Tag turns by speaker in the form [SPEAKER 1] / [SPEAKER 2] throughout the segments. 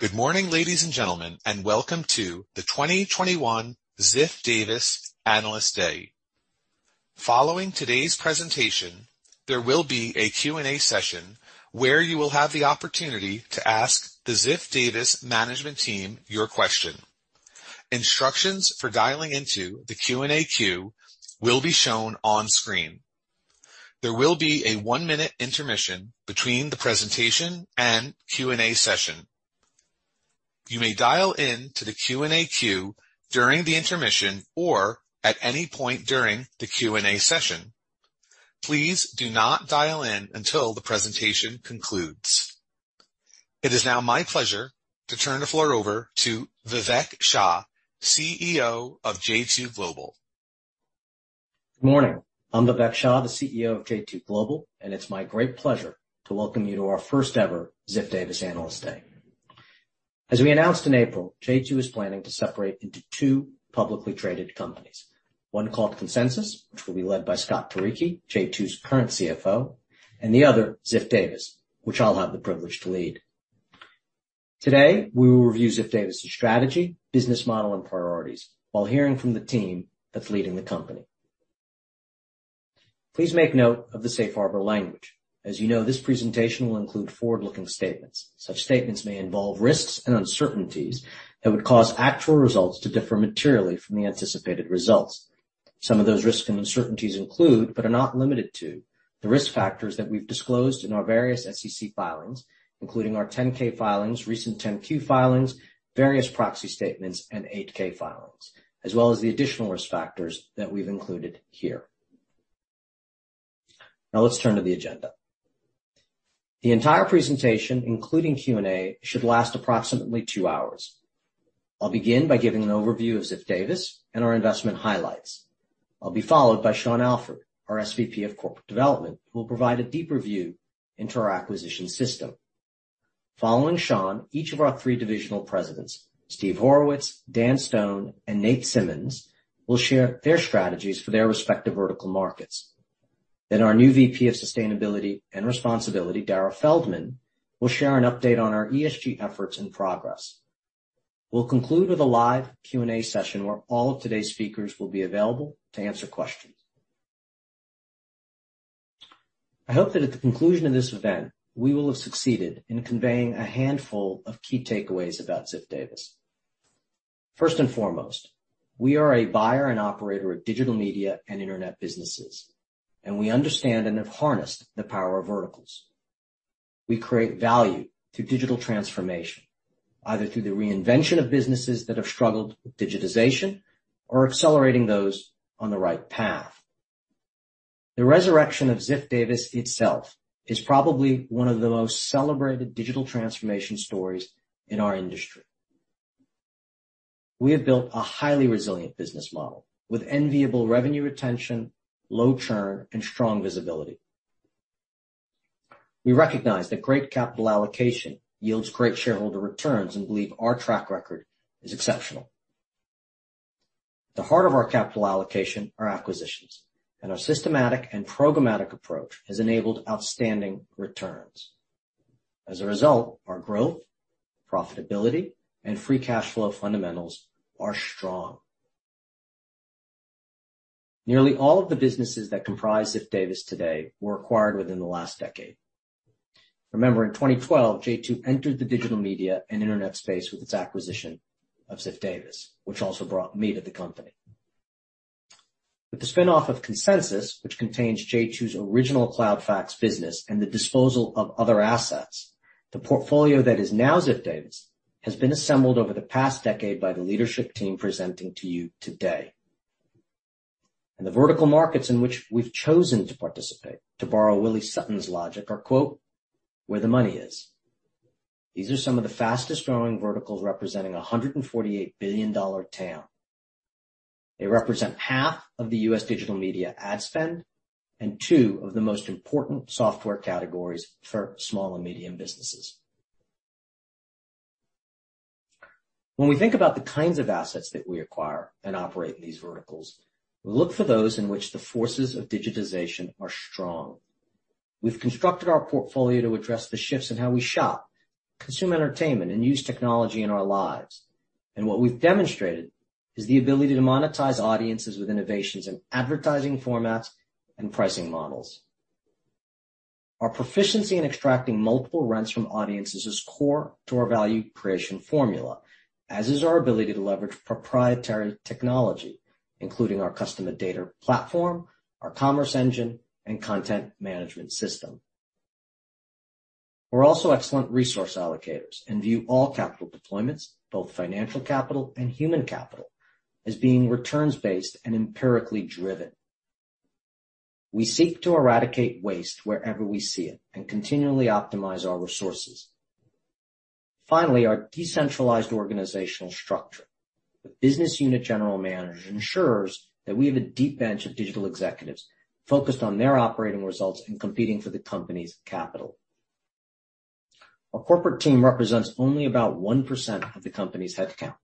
[SPEAKER 1] Good morning, ladies and gentlemen, and welcome to the 2021 Ziff Davis Analyst Day. Following today's presentation, there will be a Q&A session where you will have the opportunity to ask the Ziff Davis management team your question. Instructions for dialing into the Q&A queue will be shown on screen. There will be a one-minute intermission between the presentation and Q&A session. You may dial in to the Q&A queue during the intermission or at any point during the Q&A session. Please do not dial in until the presentation concludes. It is now my pleasure to turn the floor over to Vivek Shah, CEO of j2 Global.
[SPEAKER 2] Good morning. I'm Vivek Shah, the CEO of J2 Global, and it's my great pleasure to welcome you to our first ever Ziff Davis Analyst Day. As we announced in April, J2 is planning to separate into two publicly traded companies, one called Consensus, which will be led by Scott Turicchi, J2's current CFO, and the other, Ziff Davis, which I'll have the privilege to lead. Today, we will review Ziff Davis' strategy, business model, and priorities while hearing from the team that's leading the company. Please make note of the Safe Harbor language. As you know, this presentation will include forward-looking statements. Such statements may involve risks and uncertainties that would cause actual results to differ materially from the anticipated results. Some of those risks and uncertainties include, but are not limited to, the risk factors that we've disclosed in our various SEC filings, including our 10-K filings, recent 10-Q filings, various proxy statements, and 8-K filings, as well as the additional risk factors that we've included here. Now let's turn to the agenda. The entire presentation, including Q&A, should last approximately two hours. I'll begin by giving an overview of Ziff Davis and our investment highlights. I'll be followed by Sean Alford, our SVP of Corporate Development, who will provide a deeper view into our acquisition system. Following Sean, each of our three divisional presidents, Steve Horowitz, Dan Stone, and Nate Simmons, will share their strategies for their respective vertical markets. Then our new VP of Sustainability and Responsibility, Darrah Feldman, will share an update on our ESG efforts and progress. We'll conclude with a live Q&A session where all of today's speakers will be available to answer questions. I hope that at the conclusion of this event, we will have succeeded in conveying a handful of key takeaways about Ziff Davis. First and foremost, we are a buyer and operator of digital media and Internet businesses, and we understand and have harnessed the power of verticals. We create value through digital transformation, either through the reinvention of businesses that have struggled with digitization or accelerating those on the right path. The resurrection of Ziff Davis itself is probably one of the most celebrated digital transformation stories in our industry. We have built a highly resilient business model with enviable revenue retention, low churn, and strong visibility. We recognize that great capital allocation yields great shareholder returns and believe our track record is exceptional. The heart of our capital allocation are acquisitions, and our systematic and programmatic approach has enabled outstanding returns. As a result, our growth, profitability, and free cash flow fundamentals are strong. Nearly all of the businesses that comprise Ziff Davis today were acquired within the last decade. Remember, in 2012, j2 entered the digital media and Internet space with its acquisition of Ziff Davis, which also brought me to the company. With the spin-off of Consensus, which contains j2's original Cloud Fax business and the disposal of other assets, the portfolio that is now Ziff Davis has been assembled over the past decade by the leadership team presenting to you today. The vertical markets in which we've chosen to participate, to borrow Willie Sutton's logic are, "Where the money is." These are some of the fastest-growing verticals representing a $148 billion TAM. They represent half of the U.S. digital media ad spend and two of the most important software categories for small and medium businesses. When we think about the kinds of assets that we acquire and operate in these verticals, we look for those in which the forces of digitization are strong. We've constructed our portfolio to address the shifts in how we shop, consume entertainment, and use technology in our lives. What we've demonstrated is the ability to monetize audiences with innovations in advertising formats and pricing models. Our proficiency in extracting multiple rents from audiences is core to our value creation formula, as is our ability to leverage proprietary technology, including our customer data platform, our commerce engine, and content management system. We're also excellent resource allocators and view all capital deployments, both financial capital and human capital, as being returns-based and empirically driven. We seek to eradicate waste wherever we see it and continually optimize our resources. Our decentralized organizational structure with business unit general managers ensures that we have a deep bench of digital executives focused on their operating results and competing for the company's capital. Our corporate team represents only about 1% of the company's headcount.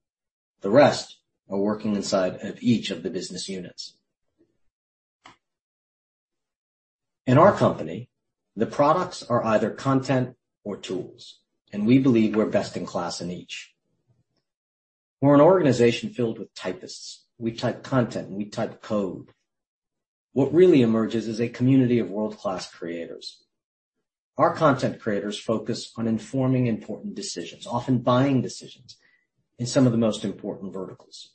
[SPEAKER 2] The rest are working inside of each of the business units. In our company, the products are either content or tools, and we believe we're best in class in each. We're an organization filled with typists. We type content, and we type code. What really emerges is a community of world-class creators. Our content creators focus on informing important decisions, often buying decisions, in some of the most important verticals.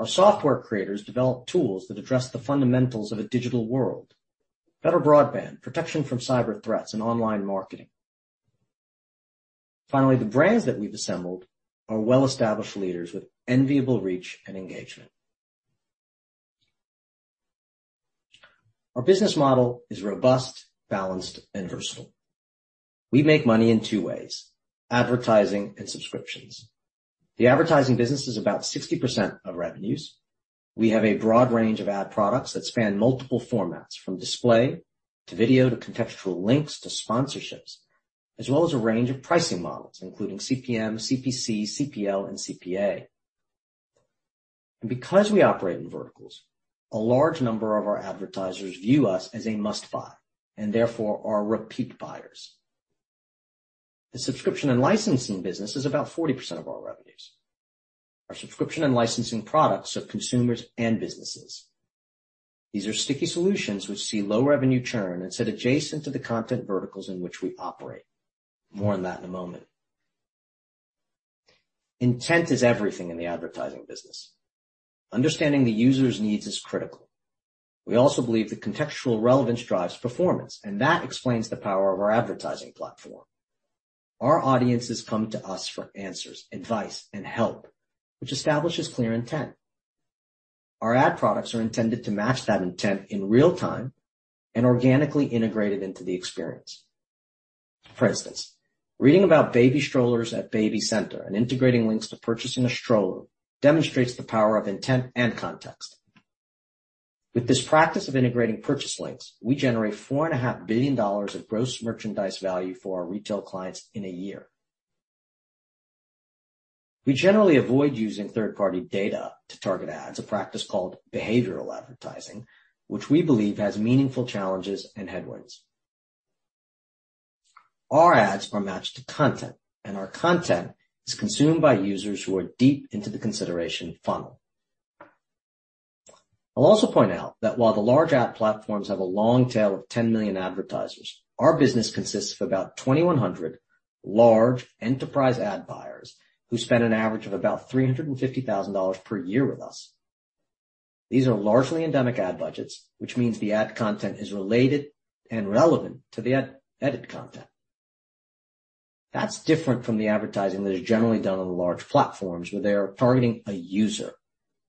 [SPEAKER 2] Our software creators develop tools that address the fundamentals of a digital world, better broadband, protection from cyber threats, and online marketing. Finally, the brands that we've assembled are well-established leaders with enviable reach and engagement. Our business model is robust, balanced and versatile. We make money in two ways, advertising and subscriptions. The advertising business is about 60% of revenues. We have a broad range of ad products that span multiple formats, from display to video, to contextual links to sponsorships, as well as a range of pricing models, including CPM, CPC, CPL and CPA. Because we operate in verticals, a large number of our advertisers view us as a must-buy, and therefore are repeat buyers. The subscription and licensing business is about 40% of our revenues. Our subscription and licensing products serve consumers and businesses. These are sticky solutions which see low revenue churn and sit adjacent to the content verticals in which we operate. More on that in a moment. Intent is everything in the advertising business. Understanding the user's needs is critical. We also believe that contextual relevance drives performance, and that explains the power of our advertising platform. Our audiences come to us for answers, advice and help, which establishes clear intent. Our ad products are intended to match that intent in real time and organically integrated into the experience. For instance, reading about baby strollers at BabyCenter and integrating links to purchasing a stroller demonstrates the power of intent and context. With this practice of integrating purchase links, we generate $4.5 billion of gross merchandise value for our retail clients in a year. We generally avoid using third-party data to target ads, a practice called behavioral advertising, which we believe has meaningful challenges and headwinds. Our ads are matched to content, and our content is consumed by users who are deep into the consideration funnel. I'll also point out that while the large ad platforms have a long tail of 10 million advertisers, our business consists of about 2,100 large enterprise ad buyers who spend an average of about $350,000 per year with us. These are largely endemic ad budgets, which means the ad content is related and relevant to the editorial content. That's different from the advertising that is generally done on the large platforms, where they are targeting a user,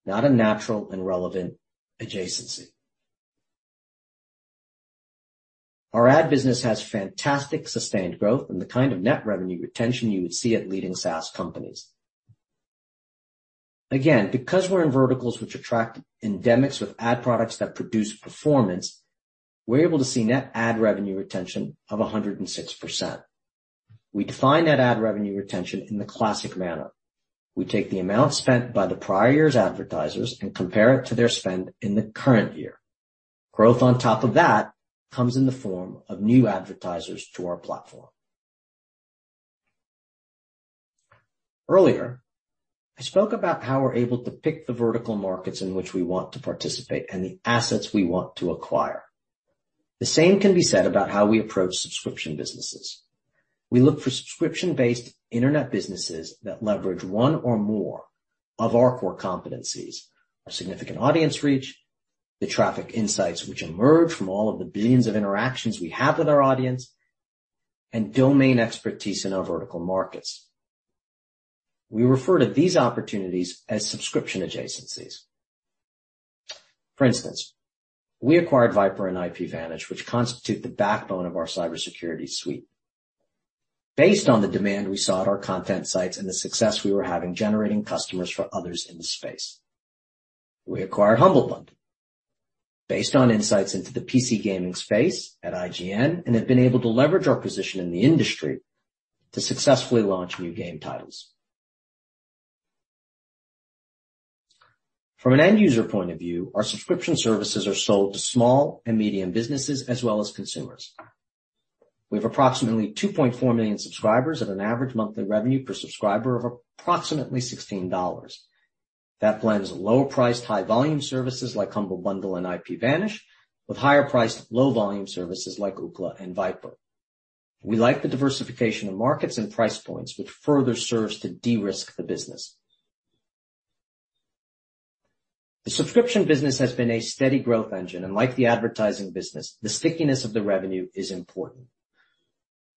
[SPEAKER 2] not a natural and relevant adjacency. Our ad business has fantastic sustained growth and the kind of net revenue retention you would see at leading SaaS companies. Because we're in verticals which attract endemics with ad products that produce performance, we're able to see net ad revenue retention of 106%. We define net ad revenue retention in the classic manner. We take the amount spent by the prior year's advertisers and compare it to their spend in the current year. Growth on top of that comes in the form of new advertisers to our platform. Earlier, I spoke about how we're able to pick the vertical markets in which we want to participate and the assets we want to acquire. The same can be said about how we approach subscription businesses. We look for subscription-based internet businesses that leverage one or more of our core competencies, our significant audience reach, the traffic insights which emerge from all of the billions of interactions we have with our audience, and domain expertise in our vertical markets. We refer to these opportunities as subscription adjacencies. For instance, we acquired VIPRE and IPVanish, which constitute the backbone of our cybersecurity suite. Based on the demand we saw at our content sites and the success we were having generating customers for others in the space, we acquired Humble Bundle based on insights into the PC gaming space at IGN, and have been able to leverage our position in the industry to successfully launch new game titles. From an end user point of view, our subscription services are sold to small and medium businesses as well as consumers. We have approximately 2.4 million subscribers at an average monthly revenue per subscriber of approximately $16. That blends lower-priced, high-volume services like Humble Bundle and IPVanish with higher-priced, low-volume services like Ookla and VIPRE. We like the diversification of markets and price points, which further serves to de-risk the business. Like the advertising business, the stickiness of the revenue is important.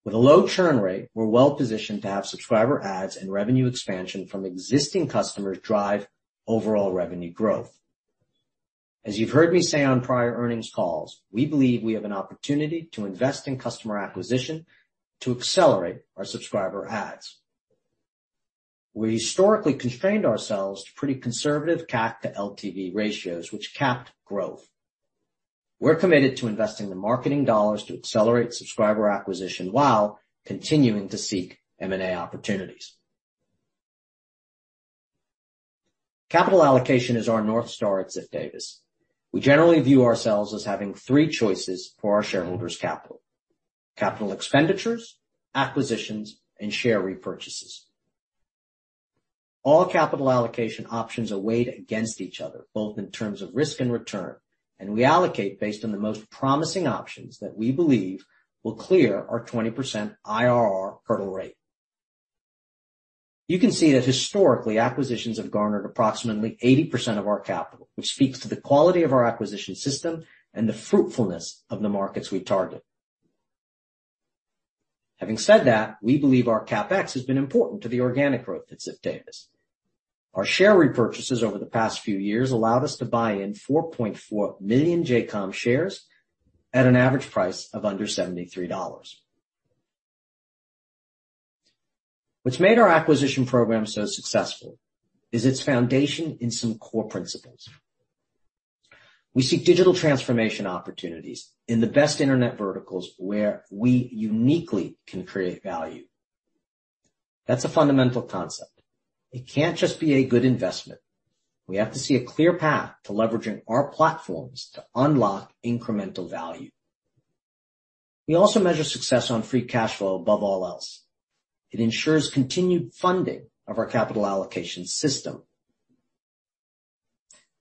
[SPEAKER 2] With a low churn rate, we're well-positioned to have subscriber adds and revenue expansion from existing customers drive overall revenue growth. As you've heard me say on prior earnings calls, we believe we have an opportunity to invest in customer acquisition to accelerate our subscriber adds. We historically constrained ourselves to pretty conservative CAC to LTV ratios, which capped growth. We're committed to investing the marketing dollars to accelerate subscriber acquisition while continuing to seek M&A opportunities. Capital allocation is our North Star at Ziff Davis. We generally view ourselves as having three choices for our shareholders' capital: capital expenditures, acquisitions, and share repurchases. All capital allocation options are weighed against each other, both in terms of risk and return. We allocate based on the most promising options that we believe will clear our 20% IRR hurdle rate. You can see that historically, acquisitions have garnered approximately 80% of our capital, which speaks to the quality of our acquisition system and the fruitfulness of the markets we target. Having said that, we believe our CapEx has been important to the organic growth at Ziff Davis. Our share repurchases over the past few years allowed us to buy in 4.4 million JCOM shares at an average price of under $73. What's made our acquisition program so successful is its foundation in some core principles. We see digital transformation opportunities in the best internet verticals where we uniquely can create value. That's a fundamental concept. It can't just be a good investment. We have to see a clear path to leveraging our platforms to unlock incremental value. We also measure success on free cash flow above all else. It ensures continued funding of our capital allocation system.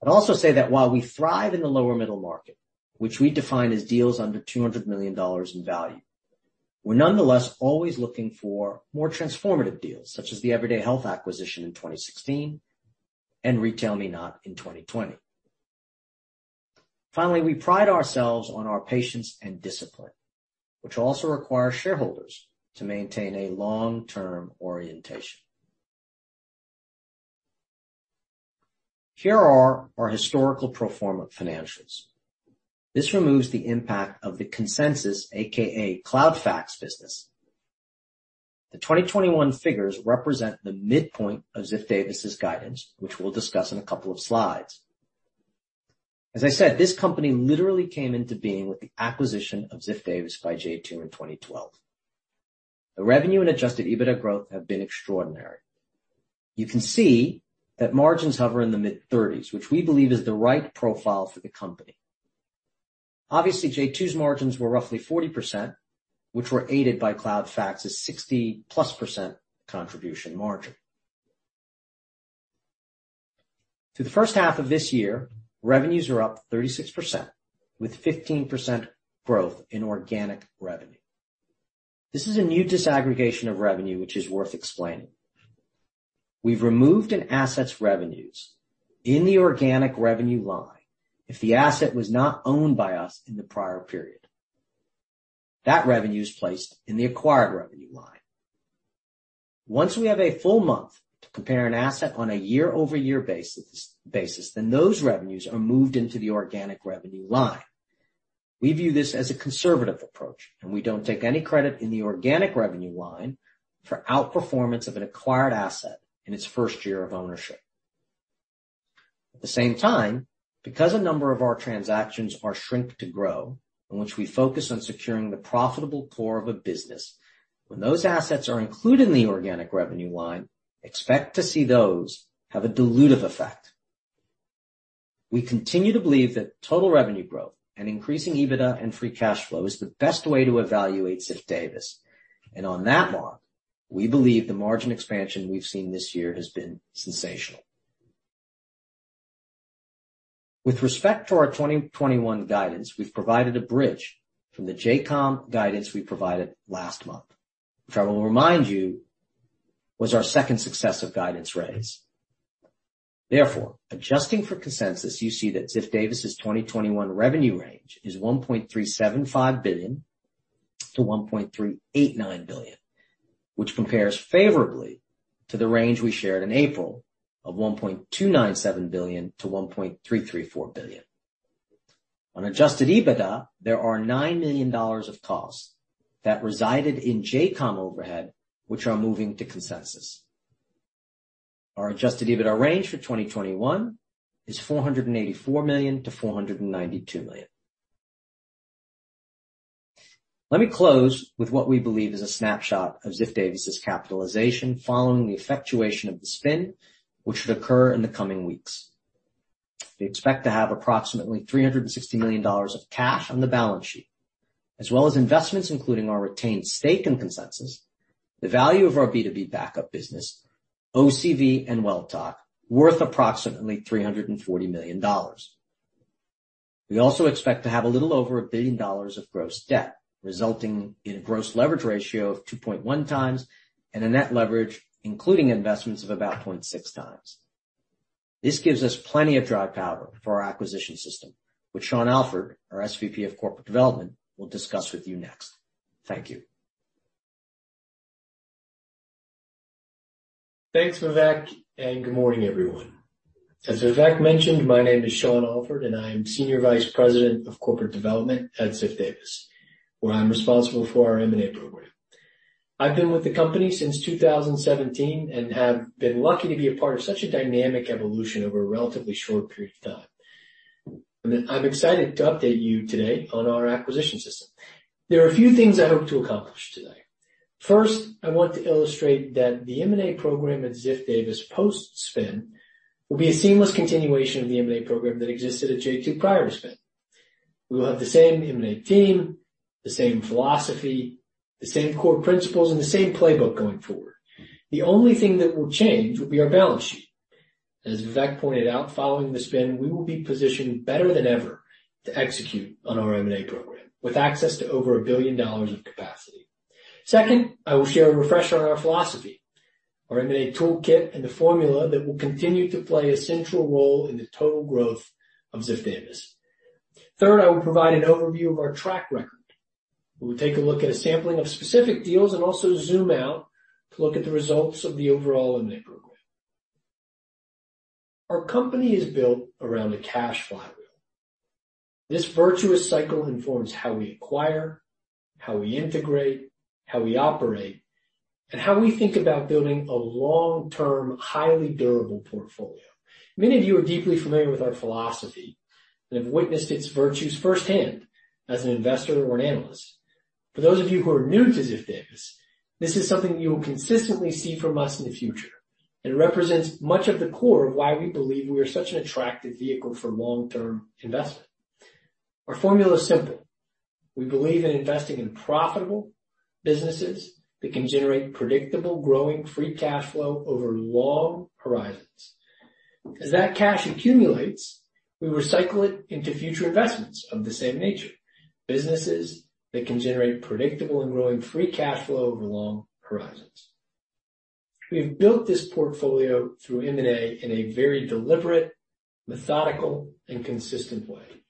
[SPEAKER 2] I'd also say that while we thrive in the lower middle market, which we define as deals under $200 million in value, we're nonetheless always looking for more transformative deals, such as the Everyday Health acquisition in 2016 and RetailMeNot in 2020. We pride ourselves on our patience and discipline, which also requires shareholders to maintain a long-term orientation. Here are our historical pro forma financials. This removes the impact of the Consensus, AKA Cloud Fax business. The 2021 figures represent the midpoint of Ziff Davis's guidance, which we'll discuss in a couple of slides. As I said, this company literally came into being with the acquisition of Ziff Davis by J2 in 2012. The revenue and adjusted EBITDA growth have been extraordinary. You can see that margins hover in the mid-30s, which we believe is the right profile for the company. Obviously, J2's margins were roughly 40%, which were aided by Cloud Fax's 60%+ contribution margin. To the first half of this year, revenues are up 36%, with 15% growth in organic revenue. This is a new disaggregation of revenue which is worth explaining. We've removed an asset's revenues in the organic revenue line if the asset was not owned by us in the prior period. That revenue is placed in the acquired revenue line. Once we have a full month to compare an asset on a year-over-year basis, then those revenues are moved into the organic revenue line. We view this as a conservative approach, and we don't take any credit in the organic revenue line for outperformance of an acquired asset in its first year of ownership. At the same time, because a number of our transactions are shrink to grow, in which we focus on securing the profitable core of a business, when those assets are included in the organic revenue line, expect to see those have a dilutive effect. We continue to believe that total revenue growth and increasing EBITDA and free cash flow is the best way to evaluate Ziff Davis. On that mark, we believe the margin expansion we've seen this year has been sensational. With respect to our 2021 guidance, we've provided a bridge from the JCOM guidance we provided last month, which I will remind you was our second successive guidance raise. Adjusting for Consensus, you see that Ziff Davis's 2021 revenue range is $1.375 billion-$1.389 billion, which compares favorably to the range we shared in April of $1.297 billion-$1.334 billion. On adjusted EBITDA, there are $9 million of costs that resided in JCOM overhead, which are moving to Consensus. Our adjusted EBITDA range for 2021 is $484 million-$492 million. Let me close with what we believe is a snapshot of Ziff Davis's capitalization following the effectuation of the spin, which should occur in the coming weeks. We expect to have approximately $360 million of cash on the balance sheet, as well as investments, including our retained stake in Consensus, the value of our B2B Backup business, OCV, and Welltok, worth approximately $340 million. We also expect to have a little over $1 billion of gross debt, resulting in a gross leverage ratio of 2.1x and a net leverage, including investments of about 0.6 times. This gives us plenty of dry powder for our acquisition system, which Sean Alford, our SVP of Corporate Development, will discuss with you next. Thank you.
[SPEAKER 3] Thanks, Vivek, and good morning, everyone. As Vivek mentioned, my name is Sean Alford, and I am Senior Vice President of Corporate Development at Ziff Davis, where I'm responsible for our M&A program. I've been with the company since 2017 and have been lucky to be a part of such a dynamic evolution over a relatively short period of time. I'm excited to update you today on our acquisition system. There are a few things I hope to accomplish today. First, I want to illustrate that the M&A program at Ziff Davis post-spin will be a seamless continuation of the M&A program that existed at J2 prior to spin. We will have the same M&A team, the same philosophy, the same core principles, and the same playbook going forward. The only thing that will change will be our balance sheet. As Vivek pointed out, following the spin, we will be positioned better than ever to execute on our M&A program with access to over $1 billion of capacity. Second, I will share a refresher on our philosophy, our M&A toolkit, and the formula that will continue to play a central role in the total growth of Ziff Davis. Third, I will provide an overview of our track record, where we take a look at a sampling of specific deals and also zoom out to look at the results of the overall M&A program. Our company is built around a cash flywheel. This virtuous cycle informs how we acquire, how we integrate, how we operate, and how we think about building a long-term, highly durable portfolio. Many of you are deeply familiar with our philosophy and have witnessed its virtues firsthand as an investor or an analyst. For those of you who are new to Ziff Davis, this is something you will consistently see from us in the future. It represents much of the core of why we believe we are such an attractive vehicle for long-term investment. Our formula is simple. We believe in investing in profitable businesses that can generate predictable, growing free cash flow over long horizons. As that cash accumulates, we recycle it into future investments of the same nature, businesses that can generate predictable and growing free cash flow over long horizons. We've built this portfolio through M&A in a very deliberate, methodical, and consistent way.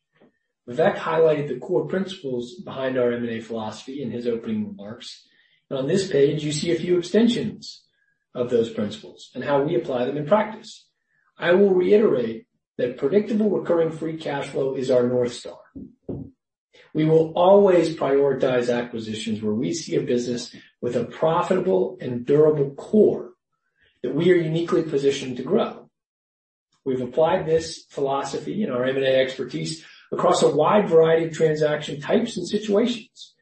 [SPEAKER 3] Vivek highlighted the core principles behind our M&A philosophy in his opening remarks. On this page, you see a few extensions of those principles and how we apply them in practice. I will reiterate that predictable recurring free cash flow is our North Star. We will always prioritize acquisitions where we see a business with a profitable and durable core that we are uniquely positioned to grow. We've applied this philosophy and our M&A expertise across a wide variety of transaction types and situations.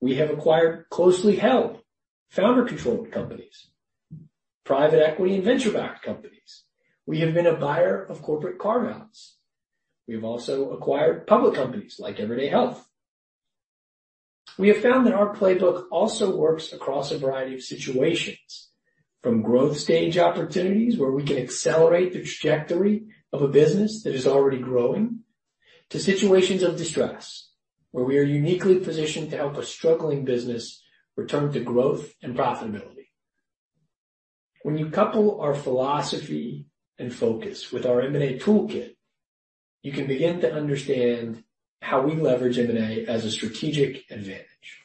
[SPEAKER 3] We have acquired closely held, founder-controlled companies, private equity and venture-backed companies. We have been a buyer of corporate carve-outs. We have also acquired public companies like Everyday Health. We have found that our playbook also works across a variety of situations, from growth stage opportunities where we can accelerate the trajectory of a business that is already growing, to situations of distress, where we are uniquely positioned to help a struggling business return to growth and profitability. When you couple our philosophy and focus with our M&A toolkit, you can begin to understand how we leverage M&A as a strategic advantage.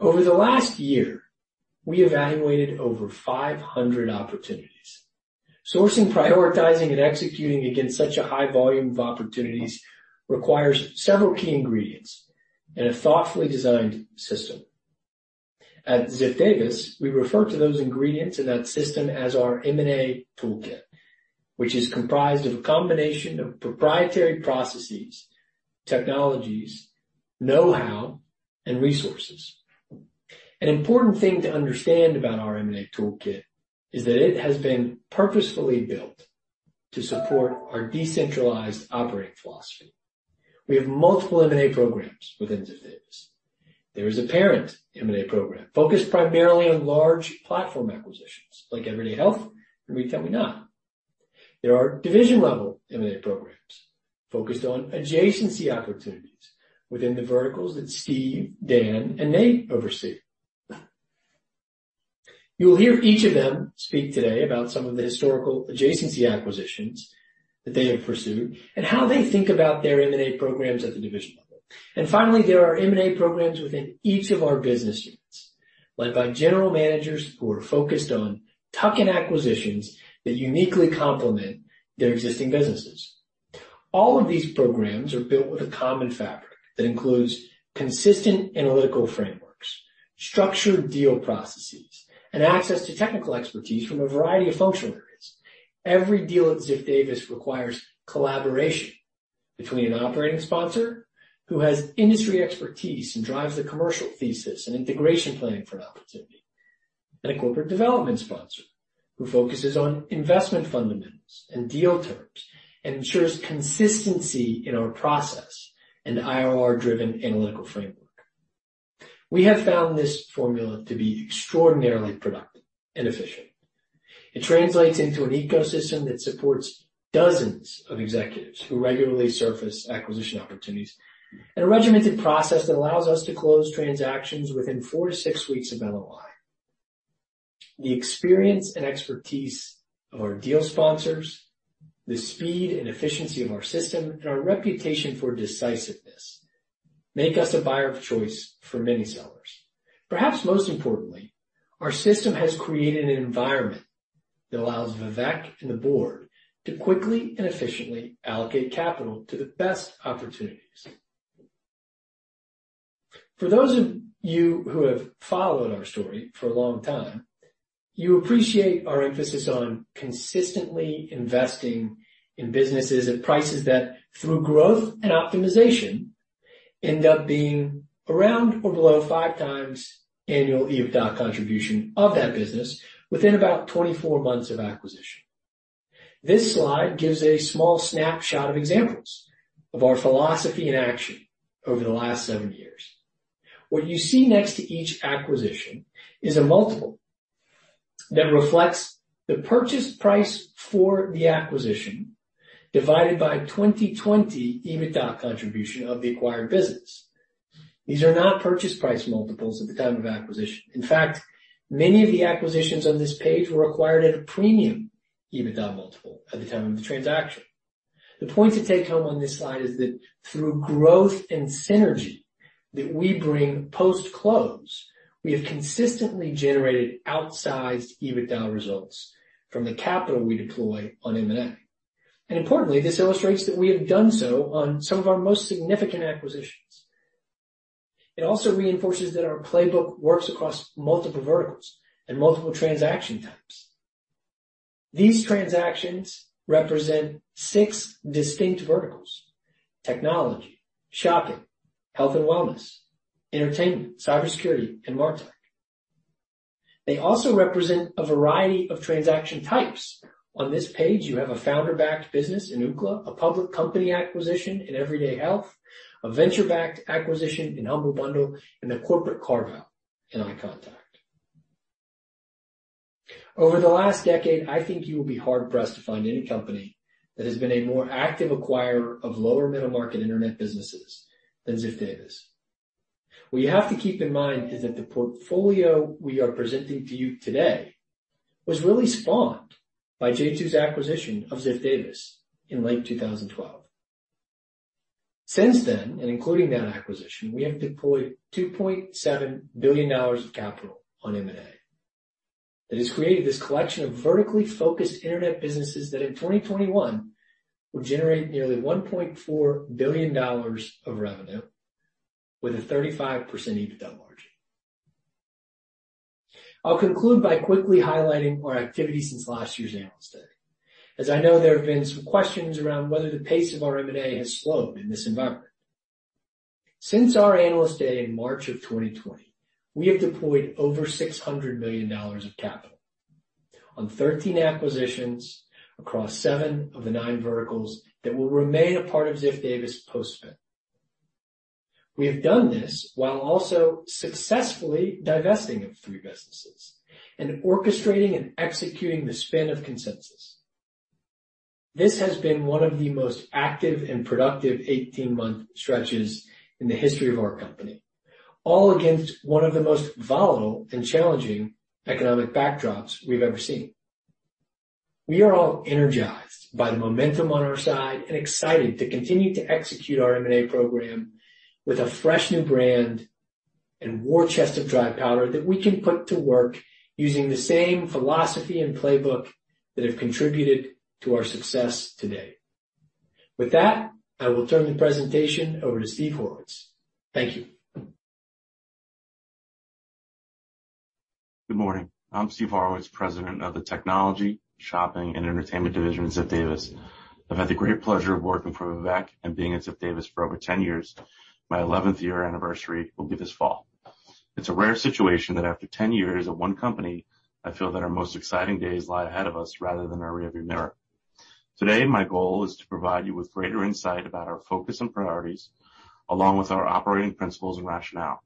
[SPEAKER 3] Over the last year, we evaluated over 500 opportunities. Sourcing, prioritizing, and executing against such a high volume of opportunities requires several key ingredients and a thoughtfully designed system. At Ziff Davis, we refer to those ingredients in that system as our M&A toolkit, which is comprised of a combination of proprietary processes, technologies, know-how, and resources. An important thing to understand about our M&A toolkit is that it has been purposefully built to support our decentralized operating philosophy. We have multiple M&A programs within Ziff Davis. There is a parent M&A program focused primarily on large platform acquisitions like Everyday Health and RetailMeNot. There are division-level M&A programs focused on adjacency opportunities within the verticals that Steve, Dan, and Nate oversee. You will hear each of them speak today about some of the historical adjacency acquisitions that they have pursued and how they think about their M&A programs at the division level. Finally, there are M&A programs within each of our business units, led by general managers who are focused on tuck-in acquisitions that uniquely complement their existing businesses. All of these programs are built with a common fabric that includes consistent analytical frameworks, structured deal processes, and access to technical expertise from a variety of functional areas. Every deal at Ziff Davis requires collaboration between an operating sponsor who has industry expertise and drives the commercial thesis and integration planning for an opportunity, and a corporate development sponsor who focuses on investment fundamentals and deal terms and ensures consistency in our process and IRR-driven analytical framework. We have found this formula to be extraordinarily productive and efficient. It translates into an ecosystem that supports dozens of executives who regularly surface acquisition opportunities and a regimented process that allows us to close transactions within four to six weeks of LOI. The experience and expertise of our deal sponsors, the speed and efficiency of our system, and our reputation for decisiveness make us a buyer of choice for many sellers. Perhaps most importantly, our system has created an environment that allows Vivek and the board to quickly and efficiently allocate capital to the best opportunities. For those of you who have followed our story for a long time. You appreciate our emphasis on consistently investing in businesses at prices that through growth and optimization end up being around or below 5x annual EBITDA contribution of that business within about 24 months of acquisition. This slide gives a small snapshot of examples of our philosophy in action over the last seven years. What you see next to each acquisition is a multiple that reflects the purchase price for the acquisition divided by 2020 EBITDA contribution of the acquired business. These are not purchase price multiples at the time of acquisition. In fact, many of the acquisitions on this page were acquired at a premium EBITDA multiple at the time of the transaction. The point to take home on this slide is that through growth and synergy that we bring post-close, we have consistently generated outsized EBITDA results from the capital we deploy on M&A. Importantly, this illustrates that we have done so on some of our most significant acquisitions. It also reinforces that our playbook works across multiple verticals and multiple transaction types. These transactions represent six distinct verticals: technology, shopping, health and wellness, entertainment, cybersecurity, and Martech. They also represent a variety of transaction types. On this page, you have a founder-backed business in Ookla, a public company acquisition in Everyday Health, a venture-backed acquisition in Humble Bundle, and a corporate carve-out in iContact. Over the last decade, I think you will be hard-pressed to find any company that has been a more active acquirer of lower middle-market Internet businesses than Ziff Davis. What you have to keep in mind is that the portfolio we are presenting to you today was really spawned by J2's acquisition of Ziff Davis in late 2012. Since then, and including that acquisition, we have deployed $2.7 billion of capital on M&A that has created this collection of vertically focused Internet businesses that in 2021 will generate nearly $1.4 billion of revenue with a 35% EBITDA margin. I'll conclude by quickly highlighting our activity since last year's Analyst Day. As I know, there have been some questions around whether the pace of our M&A has slowed in this environment. Since our Analyst Day in March of 2020, we have deployed over $600 million of capital on 13 acquisitions across seven of the nine verticals that will remain a part of Ziff Davis post-spin. We have done this while also successfully divesting of three businesses and orchestrating and executing the spin of Consensus. This has been one of the most active and productive 18-month stretches in the history of our company, all against one of the most volatile and challenging economic backdrops we've ever seen. We are all energized by the momentum on our side and excited to continue to execute our M&A program with a fresh new brand and war chest of dry powder that we can put to work using the same philosophy and playbook that have contributed to our success today. With that, I will turn the presentation over to Steve Horowitz. Thank you.
[SPEAKER 4] Good morning. I'm Steve Horowitz, President of the Technology, Shopping, and Entertainment Division at Ziff Davis. I've had the great pleasure of working for Vivek and being at Ziff Davis for over 10 years. My 11th year anniversary will be this fall. It's a rare situation that after 10 years at one company, I feel that our most exciting days lie ahead of us rather than our rearview mirror. Today, my goal is to provide you with greater insight about our focus and priorities, along with our operating principles and rationale.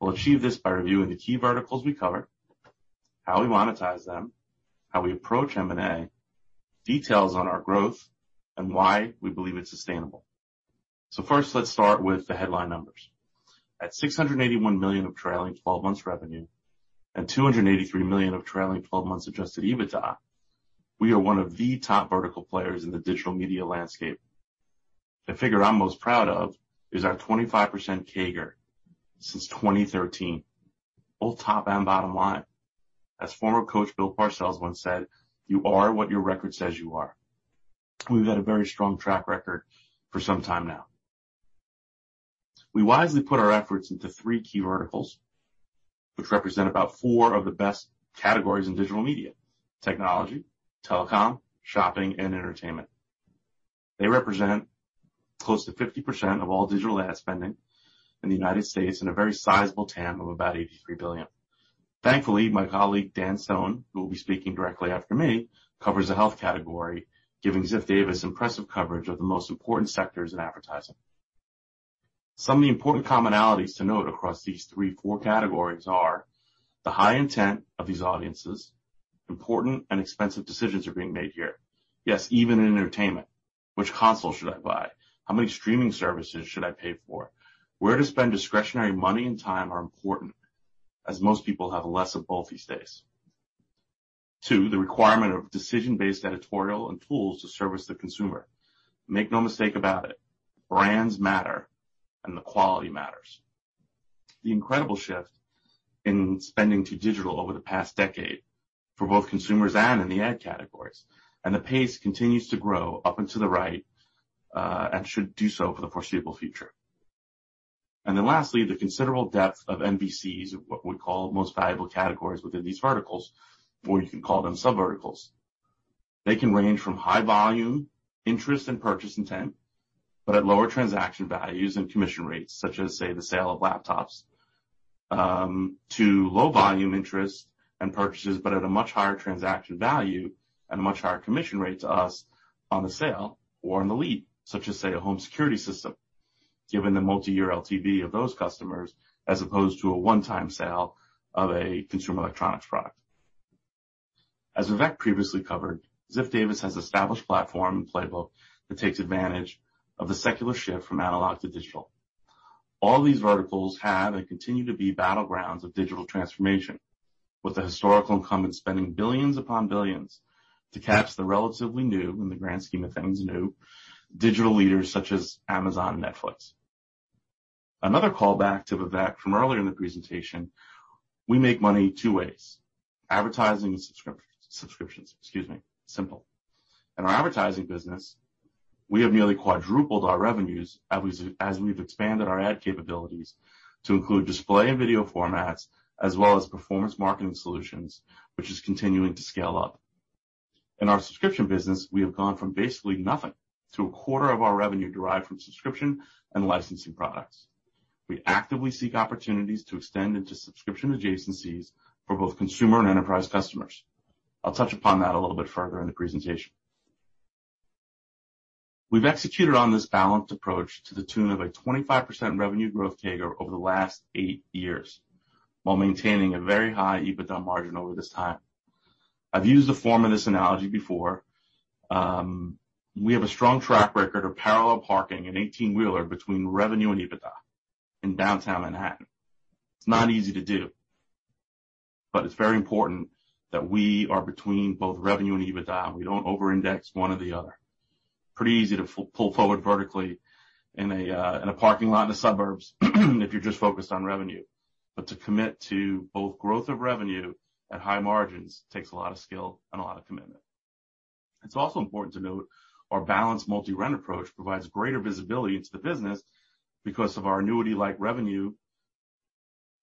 [SPEAKER 4] We'll achieve this by reviewing the key verticals we cover, how we monetize them, how we approach M&A, details on our growth, and why we believe it's sustainable. First, let's start with the headline numbers. At $681 million of trailing 12 months revenue and $283 million of trailing 12 months adjusted EBITDA, we are one of the top vertical players in the digital media landscape. The figure I'm most proud of is our 25% CAGR since 2013, both top and bottom line. As former coach Bill Parcells once said, "You are what your record says you are." We've had a very strong track record for some time now. We wisely put our efforts into three key verticals, which represent about four of the best categories in digital media: technology, telecom, shopping, and entertainment. They represent close to 50% of all digital ad spending in the United States and a very sizable TAM of about $83 billion. Thankfully, my colleague Dan Stone, who will be speaking directly after me, covers the health category, giving Ziff Davis impressive coverage of the most important sectors in advertising. Some of the important commonalities to note across these three core categories are the high intent of these audiences. Important and expensive decisions are being made here. Yes, even in entertainment. Which console should I buy? How many streaming services should I pay for? Where to spend discretionary money and time are important, as most people have less of both these days. Two, the requirement of decision-based editorial and tools to service the consumer. Make no mistake about it, brands matter, and the quality matters. The incredible shift in spending to digital over the past decade for both consumers and in the ad categories, and the pace continues to grow up and to the right, and should do so for the foreseeable future. Lastly, the considerable depth of MVCs, what we call most valuable categories within these verticals, or you can call them sub-verticals. They can range from high volume interest and purchase intent, but at lower transaction values and commission rates, such as, say, the sale of laptops, to low volume interest and purchases, but at a much higher transaction value and a much higher commission rate to us on the sale or on the lead, such as, say, a home security system, given the multi-year LTV of those customers, as opposed to a one-time sale of a consumer electronics product. As Vivek previously covered, Ziff Davis has established platform and playbook that takes advantage of the secular shift from analog to digital. All these verticals have and continue to be battlegrounds of digital transformation, with the historical incumbents spending billions upon billions to catch the relatively new, in the grand scheme of things new, digital leaders such as Amazon and Netflix. Another callback to Vivek from earlier in the presentation, we make money two ways, advertising and subscriptions. Excuse me. Simple. In our advertising business, we have nearly quadrupled our revenues as we've expanded our ad capabilities to include display and video formats as well as performance marketing solutions, which is continuing to scale up. In our subscription business, we have gone from basically nothing to a quarter of our revenue derived from subscription and licensing products. We actively seek opportunities to extend into subscription adjacencies for both consumer and enterprise customers. I'll touch upon that a little bit further in the presentation. We've executed on this balanced approach to the tune of a 25% revenue growth CAGR over the last eight years while maintaining a very high EBITDA margin over this time. I've used a form of this analogy before. We have a strong track record of parallel parking an 18-wheeler between revenue and EBITDA in downtown Manhattan. It's not easy to do, but it's very important that we are between both revenue and EBITDA, and we don't over-index one or the other. Pretty easy to pull forward vertically in a parking lot in the suburbs if you're just focused on revenue. To commit to both growth of revenue at high margins takes a lot of skill and a lot of commitment. It's also important to note our balanced multi-rent approach provides greater visibility into the business because of our annuity-like revenue.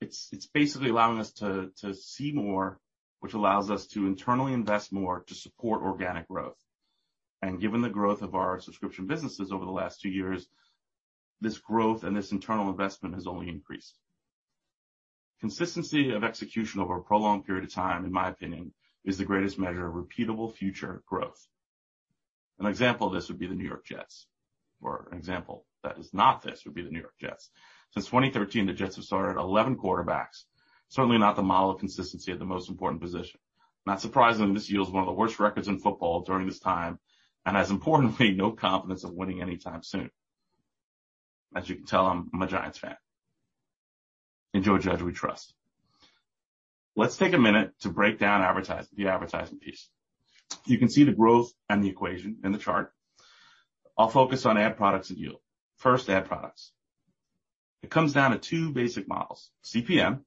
[SPEAKER 4] It's basically allowing us to see more, which allows us to internally invest more to support organic growth. Given the growth of our subscription businesses over the last two years, this growth and this internal investment has only increased. Consistency of execution over a prolonged period of time, in my opinion, is the greatest measure of repeatable future growth. An example of this would be the New York Jets, or an example that is not this would be the New York Jets. Since 2013, the Jets have started 11 quarterbacks, certainly not the model of consistency at the most important position. Not surprisingly, this yields one of the worst records in football during this time, and has importantly, no confidence of winning anytime soon. As you can tell, I'm a Giants fan. In Joe Judge we trust. Let's take a minute to break down the advertising piece. You can see the growth and the equation in the chart. I'll focus on ad products and yield. First, ad products. It comes down to two basic models, CPM,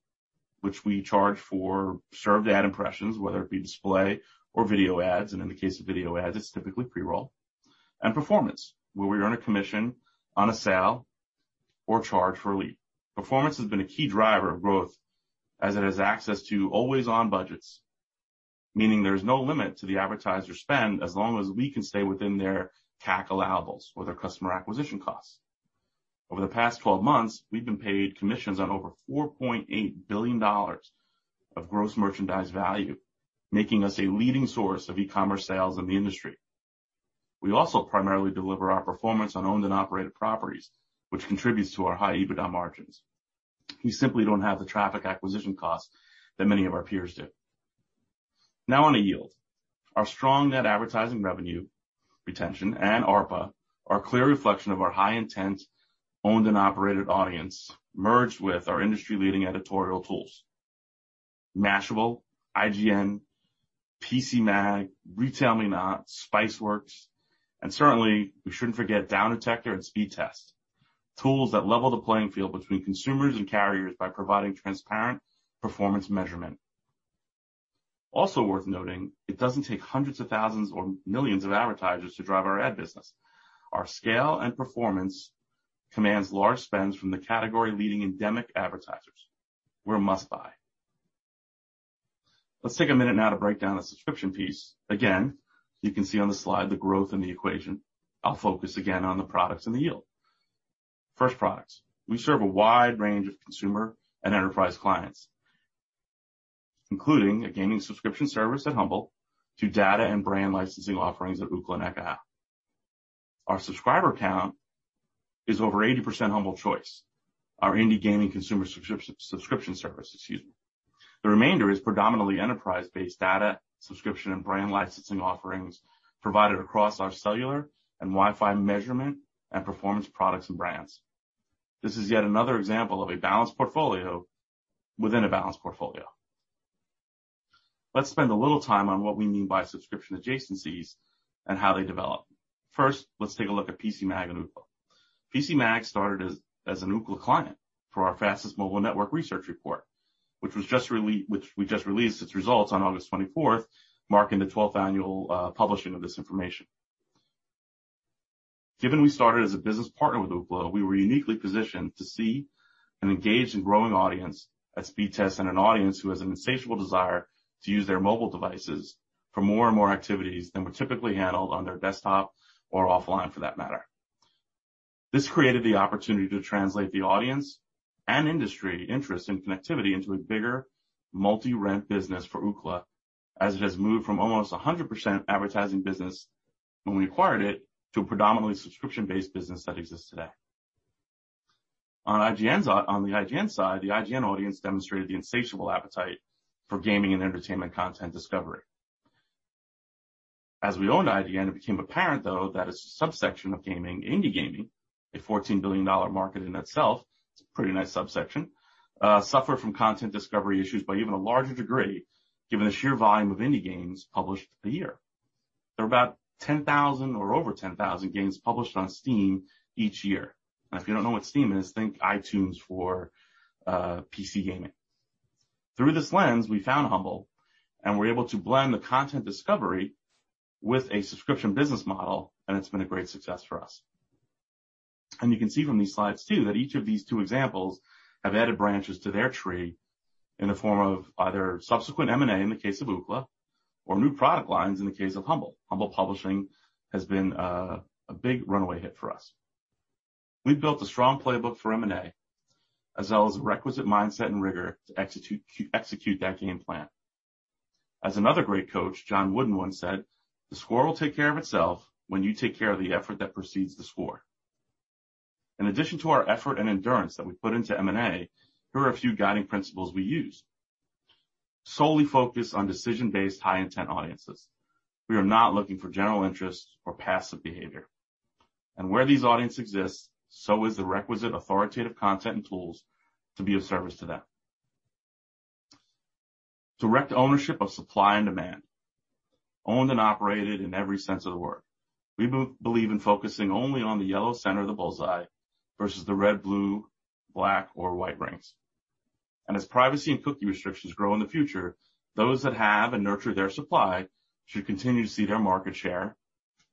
[SPEAKER 4] which we charge for served ad impressions, whether it be display or video ads, and in the case of video ads, it's typically pre-roll, and performance, where we earn a commission on a sale or charge for a lead. Performance has been a key driver of growth as it has access to always-on budgets, meaning there's no limit to the advertiser spend as long as we can stay within their CAC allowables or their customer acquisition costs. Over the past 12 months, we've been paid commissions on over $4.8 billion of gross merchandise value, making us a leading source of e-commerce sales in the industry. We also primarily deliver our performance on owned and operated properties, which contributes to our high EBITDA margins. We simply don't have the traffic acquisition costs that many of our peers do. Now on to yield. Our strong net advertising revenue, retention, and ARPA are a clear reflection of our high-intent owned and operated audience, merged with our industry-leading editorial tools. Mashable, IGN, PCMag, RetailMeNot, Spiceworks, and certainly, we shouldn't forget Downdetector and Speedtest, tools that level the playing field between consumers and carriers by providing transparent performance measurement. Also worth noting, it doesn't take hundreds of thousands or millions of advertisers to drive our ad business. Our scale and performance commands large spends from the category-leading endemic advertisers. We're a must-buy. Let's take a minute now to break down the subscription piece. Again, you can see on the slide the growth and the equation. I'll focus again on the products and the yield. First, products. We serve a wide range of consumer and enterprise clients, including a gaming subscription service at Humble to data and brand licensing offerings at Ookla and Ekahau. Our subscriber count is over 80% Humble Choice, our indie gaming consumer subscription service. Excuse me. The remainder is predominantly enterprise-based data, subscription, and brand licensing offerings provided across our cellular and Wi-Fi measurement and performance products and brands. This is yet another example of a balanced portfolio within a balanced portfolio. Let's spend a little time on what we mean by subscription adjacencies and how they develop. First, let's take a look at PCMag and Ookla. PCMag started as an Ookla client for our fastest mobile network research report, which we just released its results on August 24th, marking the 12th annual publishing of this information. Given we started as a business partner with Ookla, we were uniquely positioned to see an engaged and growing audience at Speedtest and an audience who has an insatiable desire to use their mobile devices for more and more activities than were typically handled on their desktop or offline for that matter. This created the opportunity to translate the audience and industry interest in connectivity into a bigger multi-rent business for Ookla, as it has moved from almost 100% advertising business when we acquired it, to a predominantly subscription-based business that exists today. On the IGN side, the IGN audience demonstrated the insatiable appetite for gaming and entertainment content discovery. As we owned IGN, it became apparent, though, that a subsection of gaming, indie gaming, a $14 billion market in itself, it's a pretty nice subsection, suffer from content discovery issues by even a larger degree, given the sheer volume of indie games published a year. There are about 10,000 or over 10,000 games published on Steam each year. If you don't know what Steam is, think iTunes for PC gaming. Through this lens, we found Humble, and we're able to blend the content discovery with a subscription business model, and it's been a great success for us. You can see from these slides, too, that each of these two examples have added branches to their tree in the form of either subsequent M&A in the case of Ookla or new product lines in the case of Humble. Humble publishing has been a big runaway hit for us. We've built a strong playbook for M&A, as well as the requisite mindset and rigor to execute that game plan. As another great coach, John Wooden, once said, "The score will take care of itself when you take care of the effort that precedes the score." In addition to our effort and endurance that we put into M&A, here are a few guiding principles we use. Solely focus on decision-based, high-intent audiences. We are not looking for general interests or passive behavior. Where these audience exists, so is the requisite authoritative content and tools to be of service to them. Direct ownership of supply and demand, owned and operated in every sense of the word. We believe in focusing only on the yellow center of the bullseye versus the red, blue, black, or white rings. As privacy and cookie restrictions grow in the future, those that have and nurture their supply should continue to see their market share